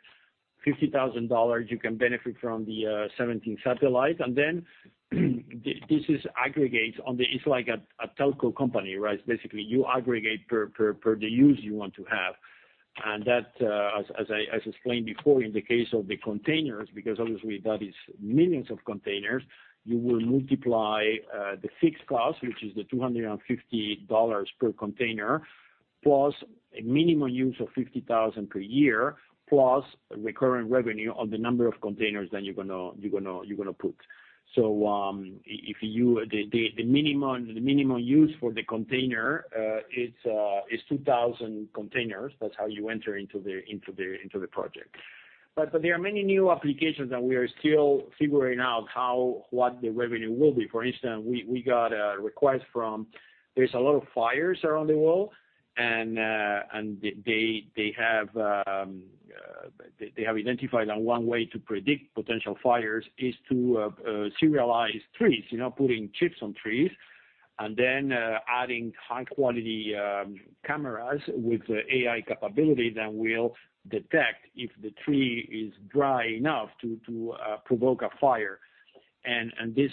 $50,000, you can benefit from the 17 satellites. And then, this aggregates on the. It's like a telco company, right? Basically, you aggregate per the use you want to have. And that, as I explained before, in the case of the containers, because obviously that is millions of containers, you will multiply the fixed cost, which is the $250 per container, plus a minimum use of $50,000 per year, plus recurring revenue on the number of containers that you're gonna put. So, if you the minimum, the minimum use for the container is 2,000 containers. That's how you enter into the project. But there are many new applications that we are still figuring out how what the revenue will be. For instance, we got a request from-- There's a lot of fires around the world, and they have identified that one way to predict potential fires is to serialize trees, you know, putting chips on trees, and then adding high-quality cameras with the AI capability that will detect if the tree is dry enough to provoke a fire. And this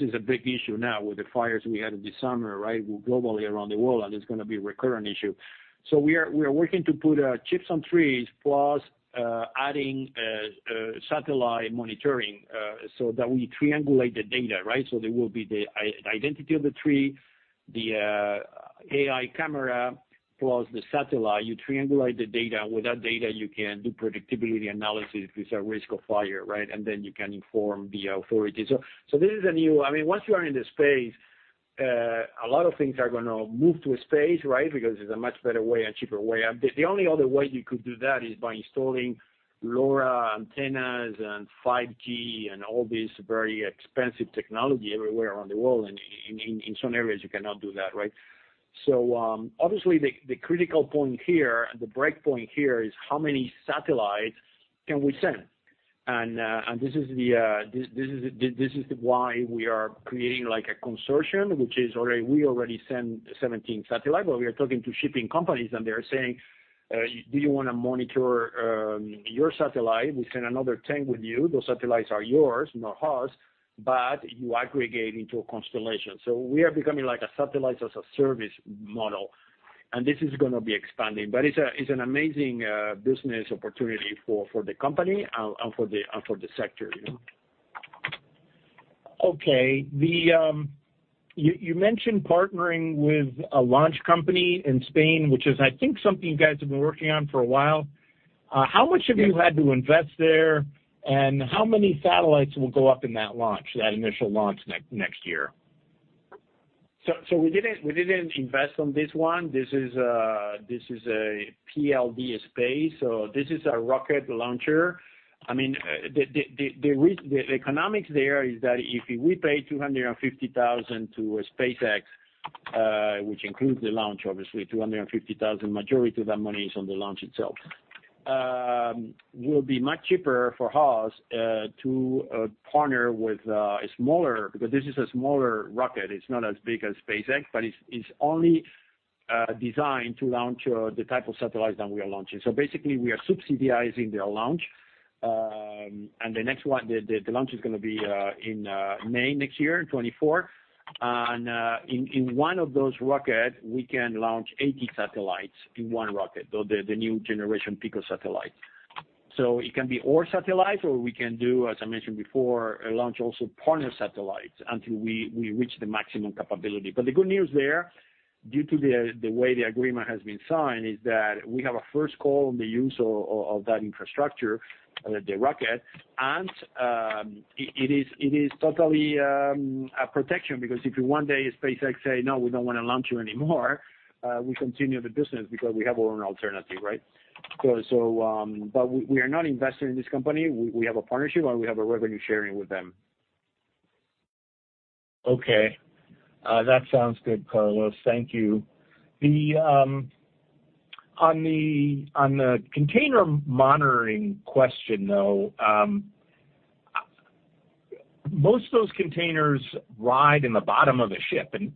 is a big issue now with the fires we had in the summer, right? Globally, around the world, and it's gonna be a recurrent issue. So we are working to put chips on trees, plus adding satellite monitoring, so that we triangulate the data, right? So there will be the i-identity of the tree, the AI camera, plus the satellite. You triangulate the data, and with that data, you can do predictability analysis with a risk of fire, right? And then you can inform the authorities. So this is a new, I mean, once you are in the space, a lot of things are gonna move to a space, right? Because it's a much better way and cheaper way. The only other way you could do that is by installing LoRa antennas and 5G and all these very expensive technology everywhere around the world, and in some areas, you cannot do that, right? So, obviously, the critical point here, the break point here, is how many satellites can we send? And this is why we are creating like a consortium, which is already. We already send 17 satellites, but we are talking to shipping companies, and they are saying, "Do you wanna monitor your satellite? We send another tank with you. Those satellites are yours, not ours, but you aggregate into a constellation." So we are becoming like a satellite-as-a-service model, and this is gonna be expanding. But it's an amazing business opportunity for the company and for the sector, you know. Okay. You mentioned partnering with a launch company in Spain, which is, I think, something you guys have been working on for a while. How much have you had to invest there, and how many satellites will go up in that launch, that initial launch next year? So we didn't invest on this one. This is a PLD Space, so this is a rocket launcher. I mean, the economics there is that if we pay $250,000 to SpaceX, which includes the launch, obviously, $250,000, majority of that money is on the launch itself. It will be much cheaper for us to partner with a smaller, because this is a smaller rocket. It's not as big as SpaceX, but it's only designed to launch the type of satellites that we are launching. So basically, we are subsidizing their launch. And the next one, the launch is gonna be in May next year, 2024. In one of those rockets, we can launch 80 satellites in one rocket, the new generation picosatellites. So it can be our satellite, or we can do, as I mentioned before, launch also partner satellites until we reach the maximum capability. But the good news there due to the way the agreement has been signed is that we have a first call on the use of that infrastructure, the rocket. And it is totally a protection, because if you one day SpaceX say, "No, we don't wanna launch you anymore," we continue the business because we have our own alternative, right? So but we are not investing in this company. We have a partnership, and we have a revenue sharing with them. Okay. That sounds good, Carlos. Thank you. On the container monitoring question, though, most of those containers ride in the bottom of a ship, and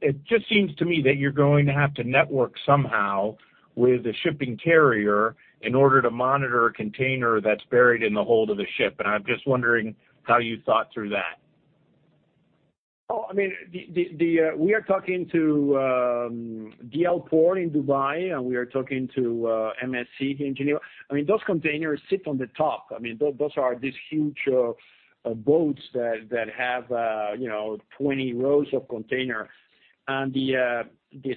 it just seems to me that you're going to have to network somehow with the shipping carrier in order to monitor a container that's buried in the hold of a ship, and I'm just wondering how you thought through that. Oh, I mean, we are talking to DP World in Dubai, and we are talking to MSC here in Geneva. I mean, those containers sit on the top. I mean, those are these huge boats that you know, 20 rows of container. And the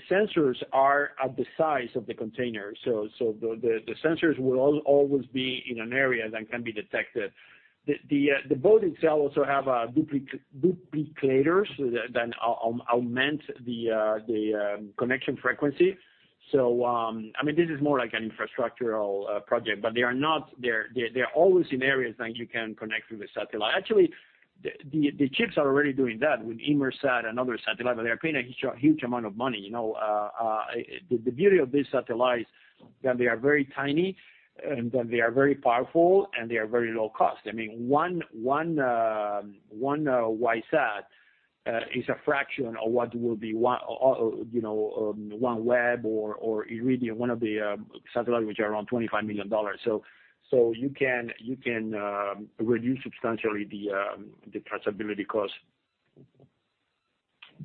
sensors are at the size of the container. So the sensors will always be in an area that can be detected. The boat itself also have duplicators that augment the connection frequency. So I mean, this is more like an infrastructural project, but they're always in areas that you can connect through the satellite. Actually, the ships are already doing that with Inmarsat and other satellite, but they are paying a huge, huge amount of money. You know, the beauty of this satellite is that they are very tiny, and that they are very powerful, and they are very low cost. I mean, one WISeSat is a fraction of what will be one, you know, OneWeb or Iridium, one of the satellites, which are around $25 million. So you can reduce substantially the traceability cost.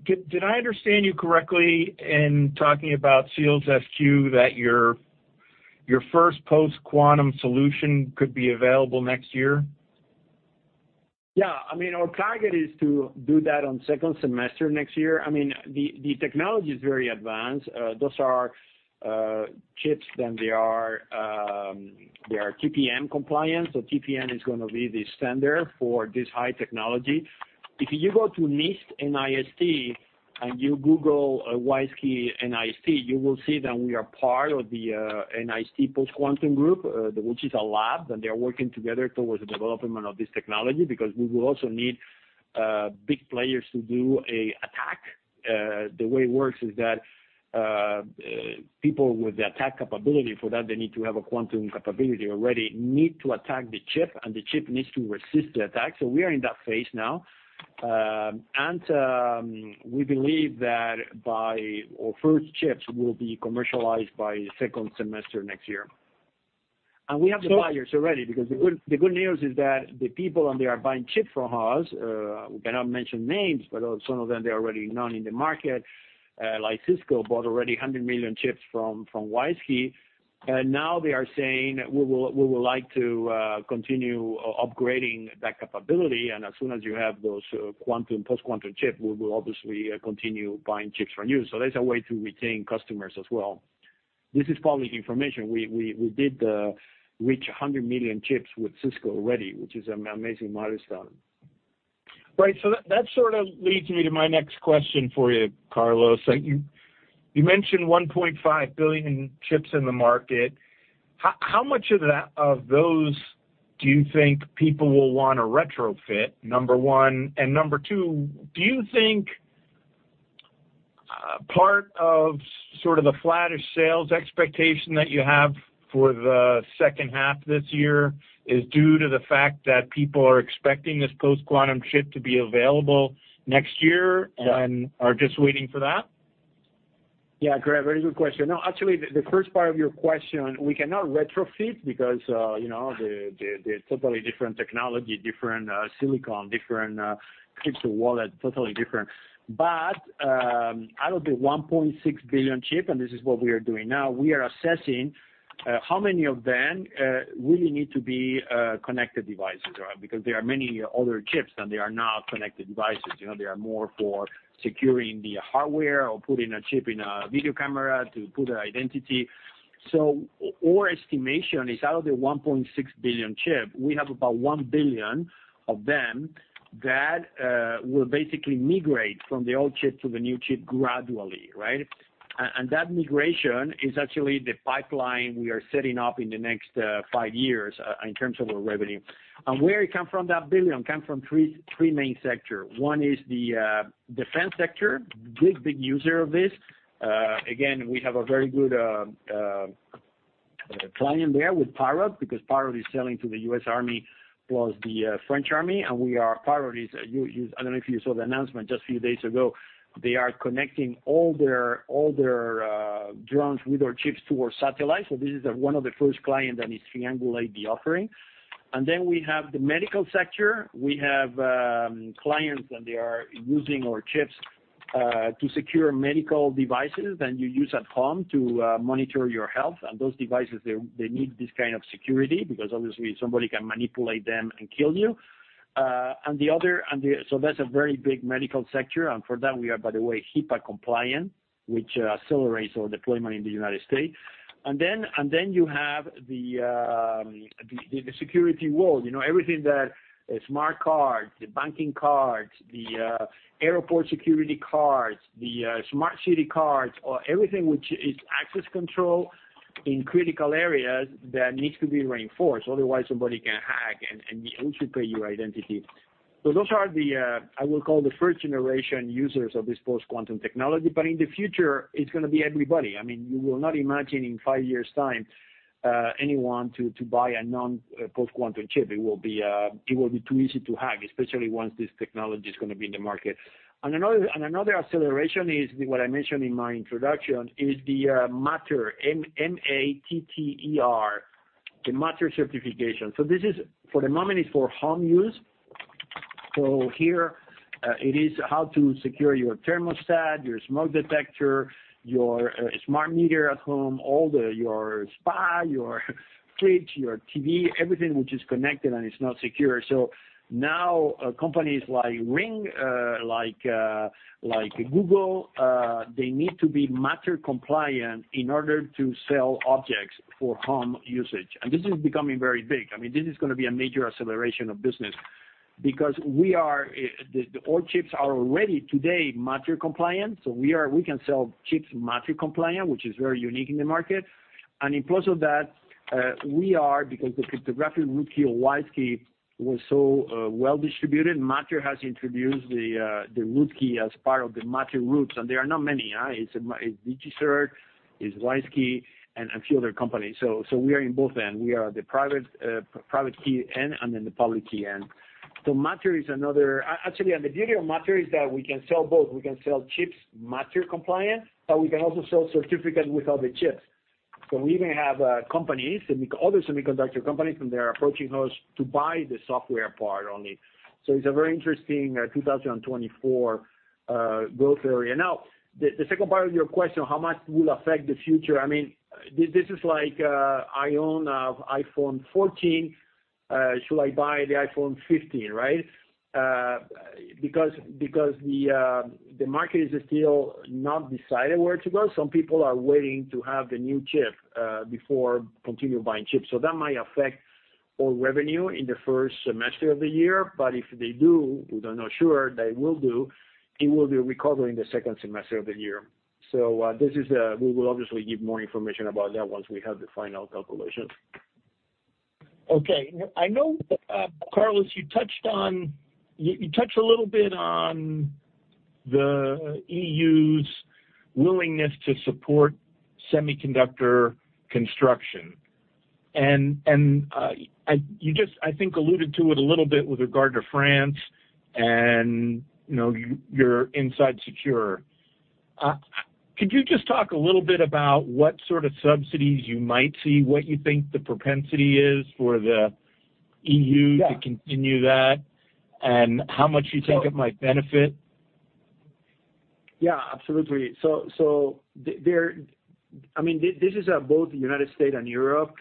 Did I understand you correctly in talking about SEALSQ, that your first post-quantum solution could be available next year? Yeah. I mean, our target is to do that on second semester next year. I mean, the technology is very advanced. Those are chips that they are TPM compliant, so TPM is gonna be the standard for this high technology. If you go to NIST, N-I-S-T, and you google WISeKey NIST, you will see that we are part of the NIST post-quantum group, which is a lab that they are working together towards the development of this technology, because we will also need big players to do a attack. The way it works is that people with the attack capability for that they need to have a quantum capability already, need to attack the chip, and the chip needs to resist the attack. So we are in that phase now. And we believe that by... Our first chips will be commercialized by second semester next year. And we have the buyers already, because the good, the good news is that the people, and they are buying chips from us. We cannot mention names, but some of them, they're already known in the market, like Cisco, bought already 100 million chips from WISeKey. And now they are saying, "We will, we would like to continue upgrading that capability, and as soon as you have those quantum, post-quantum chip, we will obviously continue buying chips from you." So that's a way to retain customers as well. This is public information. We did reach 100 million chips with Cisco already, which is an amazing milestone. Right. So that, that sort of leads me to my next question for you, Carlos. You, you mentioned 1.5 billion chips in the market. How, how much of that, of those do you think people will want to retrofit, number one? And number two, do you think, part of sort of the flattish sales expectation that you have for the second half this year is due to the fact that people are expecting this post-quantum chip to be available next year- Yeah. and are just waiting for that? Yeah, great, very good question. No, actually, the first part of your question, we cannot retrofit because, you know, the totally different technology, different silicon, different chips of wallet, totally different. But, out of the 1.6 billion chip, and this is what we are doing now, we are assessing how many of them really need to be connected devices, right? Because there are many other chips, and they are not connected devices. You know, they are more for securing the hardware or putting a chip in a video camera to prove their identity. So our estimation is out of the 1.6 billion chip, we have about 1 billion of them that will basically migrate from the old chip to the new chip gradually, right? And that migration is actually the pipeline we are setting up in the next five years in terms of our revenue. And where it come from, that billion, come from three main sector. One is the defense sector. Big, big user of this. Again, we have a very good client there with Parrot, because Parrot is selling to the US Army, plus the French Army. I don't know if you saw the announcement just a few days ago. They are connecting all their drones with our chips to our satellites. So this is the one of the first client that is triangulate the offering. And then we have the medical sector. We have clients, and they are using our chips to secure medical devices that you use at home to monitor your health. And those devices, they need this kind of security, because obviously somebody can manipulate them and kill you. So that's a very big medical sector, and for that, we are, by the way, HIPAA compliant, which accelerates our deployment in the United States. And then you have the security world, you know, everything that smart cards, the banking cards, the airport security cards, the smart city cards, or everything which is access control in critical areas that needs to be reinforced. Otherwise, somebody can hack and usurp your identity. So those are the, I will call the first-generation users of this post-quantum technology, but in the future, it's gonna be everybody. I mean, you will not imagine in five years' time, anyone to, to buy a non, post-quantum chip. It will be, it will be too easy to hack, especially once this technology is gonna be in the market. And another, and another acceleration is what I mentioned in my introduction, is the, Matter, M-M-A-T-T-E-R, the Matter certification. So this is, for the moment, it's for home use. So here, it is how to secure your thermostat, your smoke detector, your, smart meter at home, all the, your spa, your fridge, your TV, everything which is connected and it's not secure. So now, companies like Ring, like, like Google, they need to be Matter-compliant in order to sell objects for home usage. And this is becoming very big. I mean, this is gonna be a major acceleration of business because we are, the, all chips are already today, Matter-compliant, so we are- we can sell chips Matter-compliant, which is very unique in the market. And in plus of that, we are, because the cryptographic root key of WISeKey was so, well-distributed, Matter has introduced the, the root key as part of the Matter roots, and there are not many, it's, it's DigiCert, it's WISeKey, and, and a few other companies. So, so we are in both end. We are the private, private key end and then the public key end. So Matter is another... Actually, and the beauty of Matter is that we can sell both. We can sell chips Matter-compliant, but we can also sell certificates without the chips. So we even have companies, semiconductor, other semiconductor companies, and they are approaching us to buy the software part only. So it's a very interesting 2024 growth area. Now, the second part of your question, how much will affect the future? I mean, this is like I own a iPhone 14, should I buy the iPhone 15, right? Because the market is still not decided where to go. Some people are waiting to have the new chip before continue buying chips. So that might affect our revenue in the first semester of the year, but if they do, we don't know sure, they will do, it will be recovered in the second semester of the year. So, this is, we will obviously give more information about that once we have the final calculation. Okay. I know, Carlos, you touched on, you touched a little bit on the EU's willingness to support semiconductor construction. And I think you just alluded to it a little bit with regard to France and, you know, your Inside Secure. Could you just talk a little bit about what sort of subsidies you might see, what you think the propensity is for the EU- Yeah... to continue that, and how much you think it might benefit? Yeah, absolutely. So, the, there, I mean, this is both the United States and Europe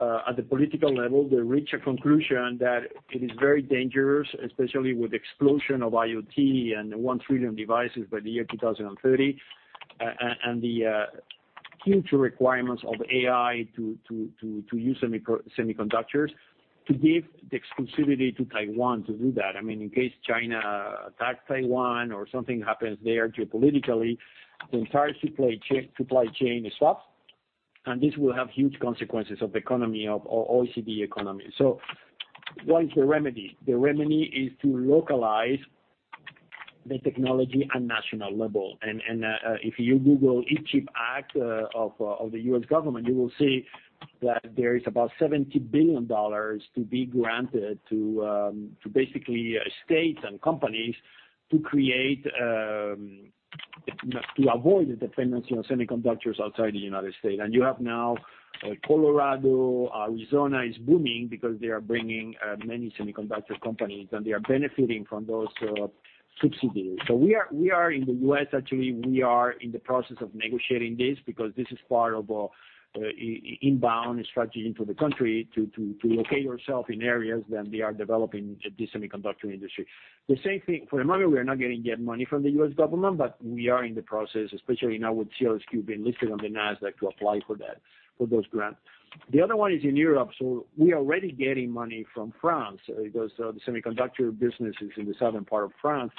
at the political level, they reach a conclusion that it is very dangerous, especially with the explosion of IoT and 1 trillion devices by the year 2030, and the future requirements of AI to use semiconductors, to give the exclusivity to Taiwan to do that. I mean, in case China attacks Taiwan or something happens there geopolitically, the entire supply chain is stopped, and this will have huge consequences of the economy, of OECD economy. So what is the remedy? The remedy is to localize the technology at national level. If you Google CHIPS Act of the US government, you will see that there is about $70 billion to be granted to basically states and companies to create to avoid the dependency on semiconductors outside the United States. You have now Colorado, Arizona is booming because they are bringing many semiconductor companies, and they are benefiting from those subsidies. We are in the U.S., actually, we are in the process of negotiating this because this is part of inbound strategy into the country to locate ourselves in areas that they are developing the semiconductor industry. The same thing, for the moment, we are not gonna get money from the US government, but we are in the process, especially now with SEALSQ being listed on the Nasdaq, to apply for that, for those grants. The other one is in Europe, so we are already getting money from France, because the semiconductor business is in the southern part of France,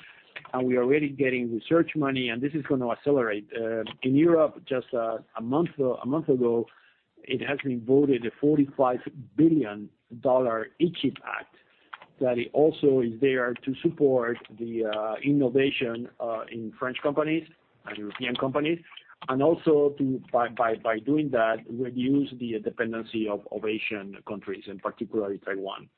and we are already getting research money, and this is gonna accelerate. In Europe, just a month ago, it has been voted a $45 billion Chips Act, that it also is there to support the innovation in French companies and European companies, and also to, by doing that, reduce the dependency of Asian countries, and particularly Taiwan.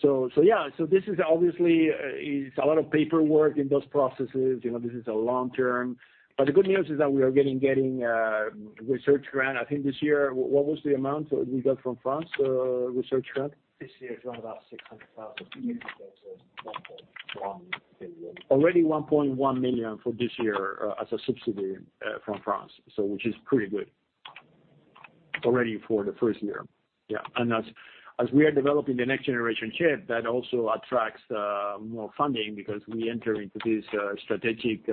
So yeah, this is obviously a lot of paperwork in those processes. You know, this is a long term. But the good news is that we are getting research grant. I think this year, what was the amount we got from France, research grant? This year, it's around about $600,000. Mm-hmm. It's CHF 1.1 million. Already 1.1 million for this year, as a subsidy from France, so which is pretty good, already for the first year. Yeah, and as we are developing the next generation chip, that also attracts more funding because we enter into this strategic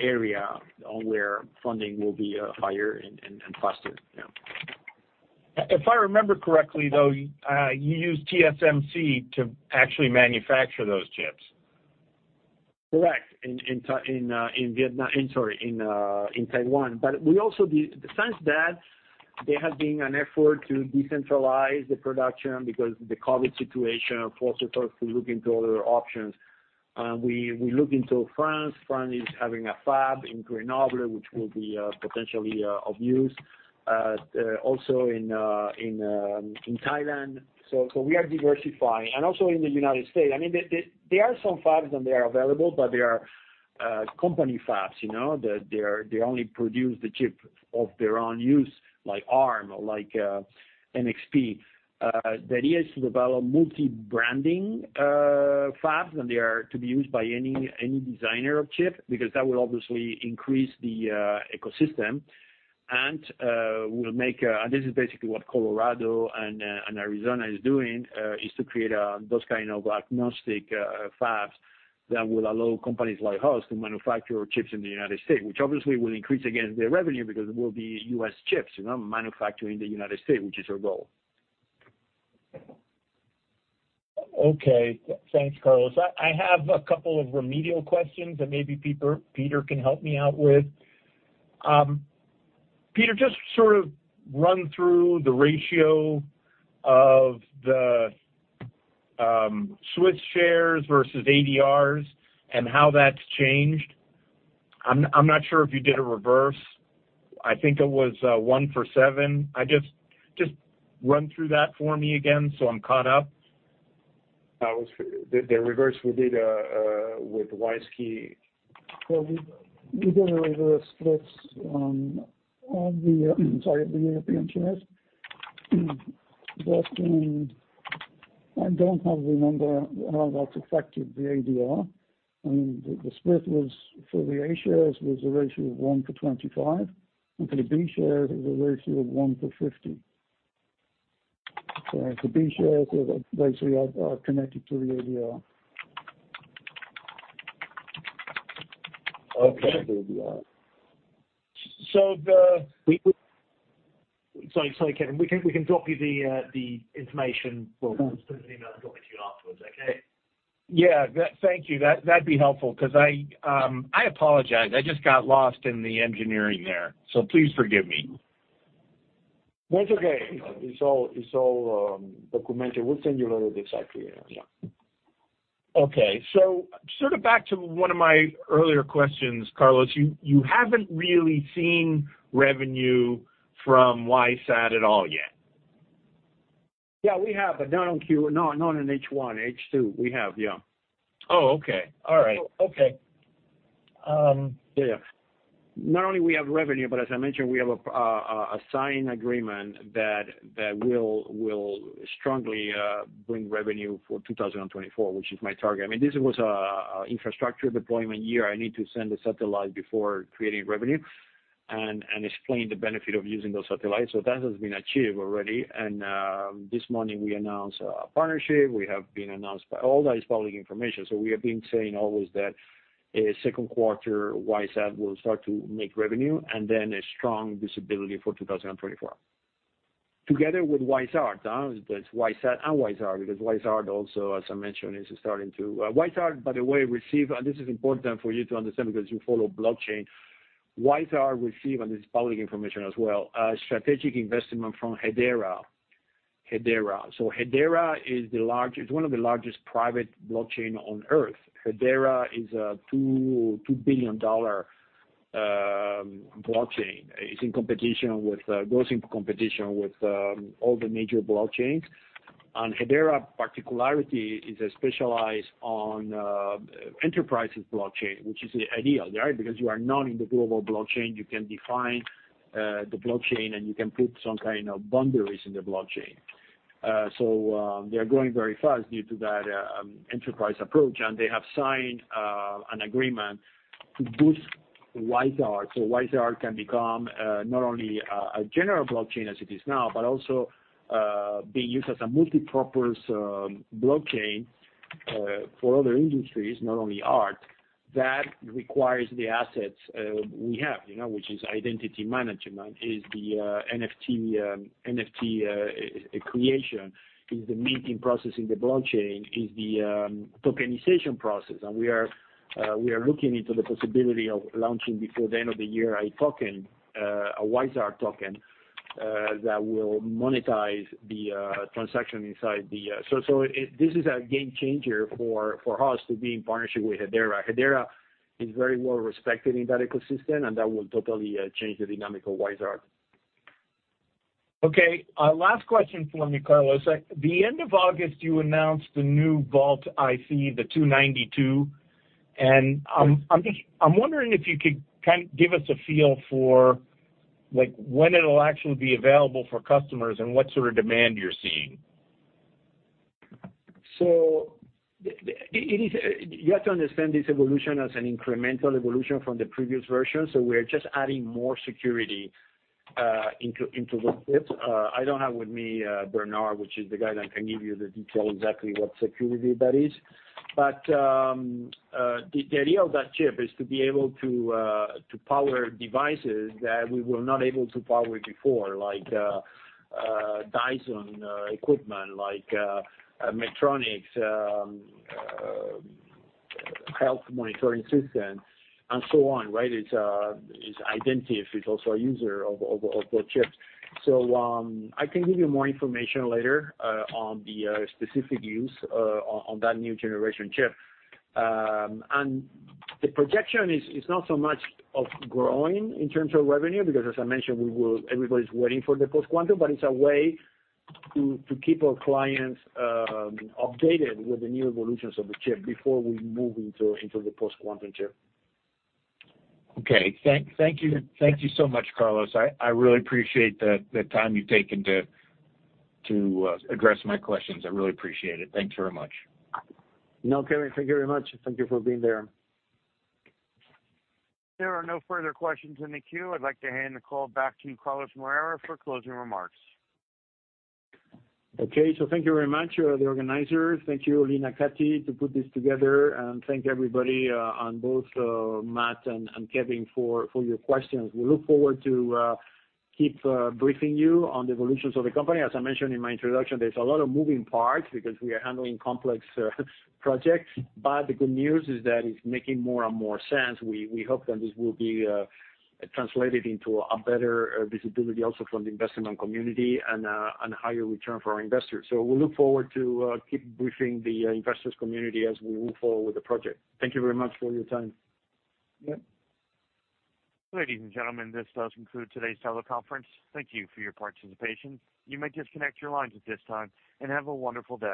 area on where funding will be higher and faster. Yeah. If I remember correctly, though, you used TSMC to actually manufacture those chips. Correct. In Taiwan. But also, since that, there has been an effort to decentralize the production because the COVID situation forced us also to look into other options. We look into France. France is having a fab in Grenoble, which will be potentially of use also in Thailand. So we are diversifying. Also in the United States. I mean, there are some fabs, and they are available, but they are company fabs, you know, that they only produce the chip of their own use, like ARM or like NXP. The idea is to develop multi-branding fabs, and they are to be used by any designer of chip, because that will obviously increase the ecosystem. We'll make, and this is basically what Colorado and Arizona is doing, is to create those kind of agnostic fabs that will allow companies like us to manufacture chips in the United States, which obviously will increase again the revenue, because it will be US chips, you know, manufactured in the United States, which is our goal. Okay. Thanks, Carlos. I have a couple of remedial questions that maybe Peter can help me out with. Peter, just sort of run through the ratio of the Swiss shares versus ADRs and how that's changed. I'm not sure if you did a reverse. I think it was one-for-seven. Just run through that for me again, so I'm caught up. Was the reverse we did with WISeKey. Well, we did a reverse splits on the European shares. Sorry, but I don't have the number how that's affected the ADR. I mean, the split was for the A shares, a ratio of one to 25, and for the B shares, it was a ratio of one to 50. So the B shares are basically connected to the ADR. Okay. The ADR. So the- Sorry, Kevin. We can drop you the information. We'll just send an email and drop it to you afterwards, okay? Yeah, thank you. That, that'd be helpful, 'cause I, I apologize. I just got lost in the engineering there, so please forgive me. That's okay. It's all, it's all, documented. We'll send you all the exact figures. Yeah. Okay. So sort of back to one of my earlier questions, Carlos. You haven't really seen revenue from WISeSat at all yet? Yeah, we have, but not on Q-- not in H1, H2. We have, yeah. Oh, okay. All right. Okay. Yeah, yeah. Not only we have revenue, but as I mentioned, we have a signed agreement that will strongly bring revenue for 2024, which is my target. I mean, this was a infrastructure deployment year. I need to send the satellites before creating revenue and explain the benefit of using those satellites. So that has been achieved already. And this morning we announced a partnership. We have been announced by, all that is public information. So we have been saying always that Q2, WISeSat will start to make revenue, and then a strong visibility for 2024. Together with WISe.ART, that's WISeSat and WISe.ART, because WISe.ART also, as I mentioned, is starting to WISe.ART, by the way, receive, and this is important for you to understand because you follow blockchain. WISe.ART received, and this is public information as well, a strategic investment from Hedera, Hedera. So Hedera is the largest - one of the largest private blockchain on Earth. Hedera is a $2 billion blockchain. It's in competition with all the major blockchains. And Hedera particularity is specialized on enterprise blockchain, which is ideal, right? Because you are not in the global blockchain, you can define the blockchain, and you can put some kind of boundaries in the blockchain. So they are growing very fast due to that enterprise approach, and they have signed an agreement to boost WISe.ART. So WISe.ART can become not only a general blockchain as it is now, but also being used as a multi-purpose blockchain for other industries, not only art. That requires the assets we have, you know, which is identity management, is the NFT, NFT creation, is the minting process in the blockchain, is the tokenization process. And we are looking into the possibility of launching before the end of the year, a token, a WISe.ART token, that will monetize the transaction inside the, so, this is a game changer for us to be in partnership with Hedera. Hedera is very well respected in that ecosystem, and that will totally change the dynamic of WISe.ART. Okay. Last question for me, Carlos. At the end of August, you announced the new VaultIC 292, and I'm just-I'm wondering if you could kind of give us a feel for, like, when it'll actually be available for customers and what sort of demand you're seeing? So, it is, you have to understand this evolution as an incremental evolution from the previous version, so we are just adding more security into the chips. I don't have with me Bernard, which is the guy that can give you the detail exactly what security that is. But, the idea of that chip is to be able to power devices that we were not able to power before, like Dyson equipment, like Medtronic health monitoring systems, and so on, right? It's Identiv, it's also a user of the chips. So, I can give you more information later on the specific use on that new generation chip. And the projection is not so much of growing in terms of revenue, because as I mentioned, we will, everybody's waiting for the post-quantum, but it's a way to keep our clients updated with the new evolutions of the chip before we move into the post-quantum chip. Okay. Thank you. Thank you so much, Carlos. I really appreciate the time you've taken to address my questions. I really appreciate it. Thanks very much. No, Kevin, thank you very much, and thank you for being there. There are no further questions in the queue. I'd like to hand the call back to Carlos Moreira for closing remarks. Okay, so thank you very much, the organizers. Thank you, Lena Cati, to put this together, and thank everybody, on both, Matt and Kevin for your questions. We look forward to keep briefing you on the evolutions of the company. As I mentioned in my introduction, there's a lot of moving parts because we are handling complex projects, but the good news is that it's making more and more sense. We hope that this will be translated into a better visibility also from the investment community and higher return for our investors. So we look forward to keep briefing the investors community as we move forward with the project. Thank you very much for your time. Ladies and gentlemen, this does conclude today's teleconference. Thank you for your participation. You may disconnect your lines at this time, and have a wonderful day.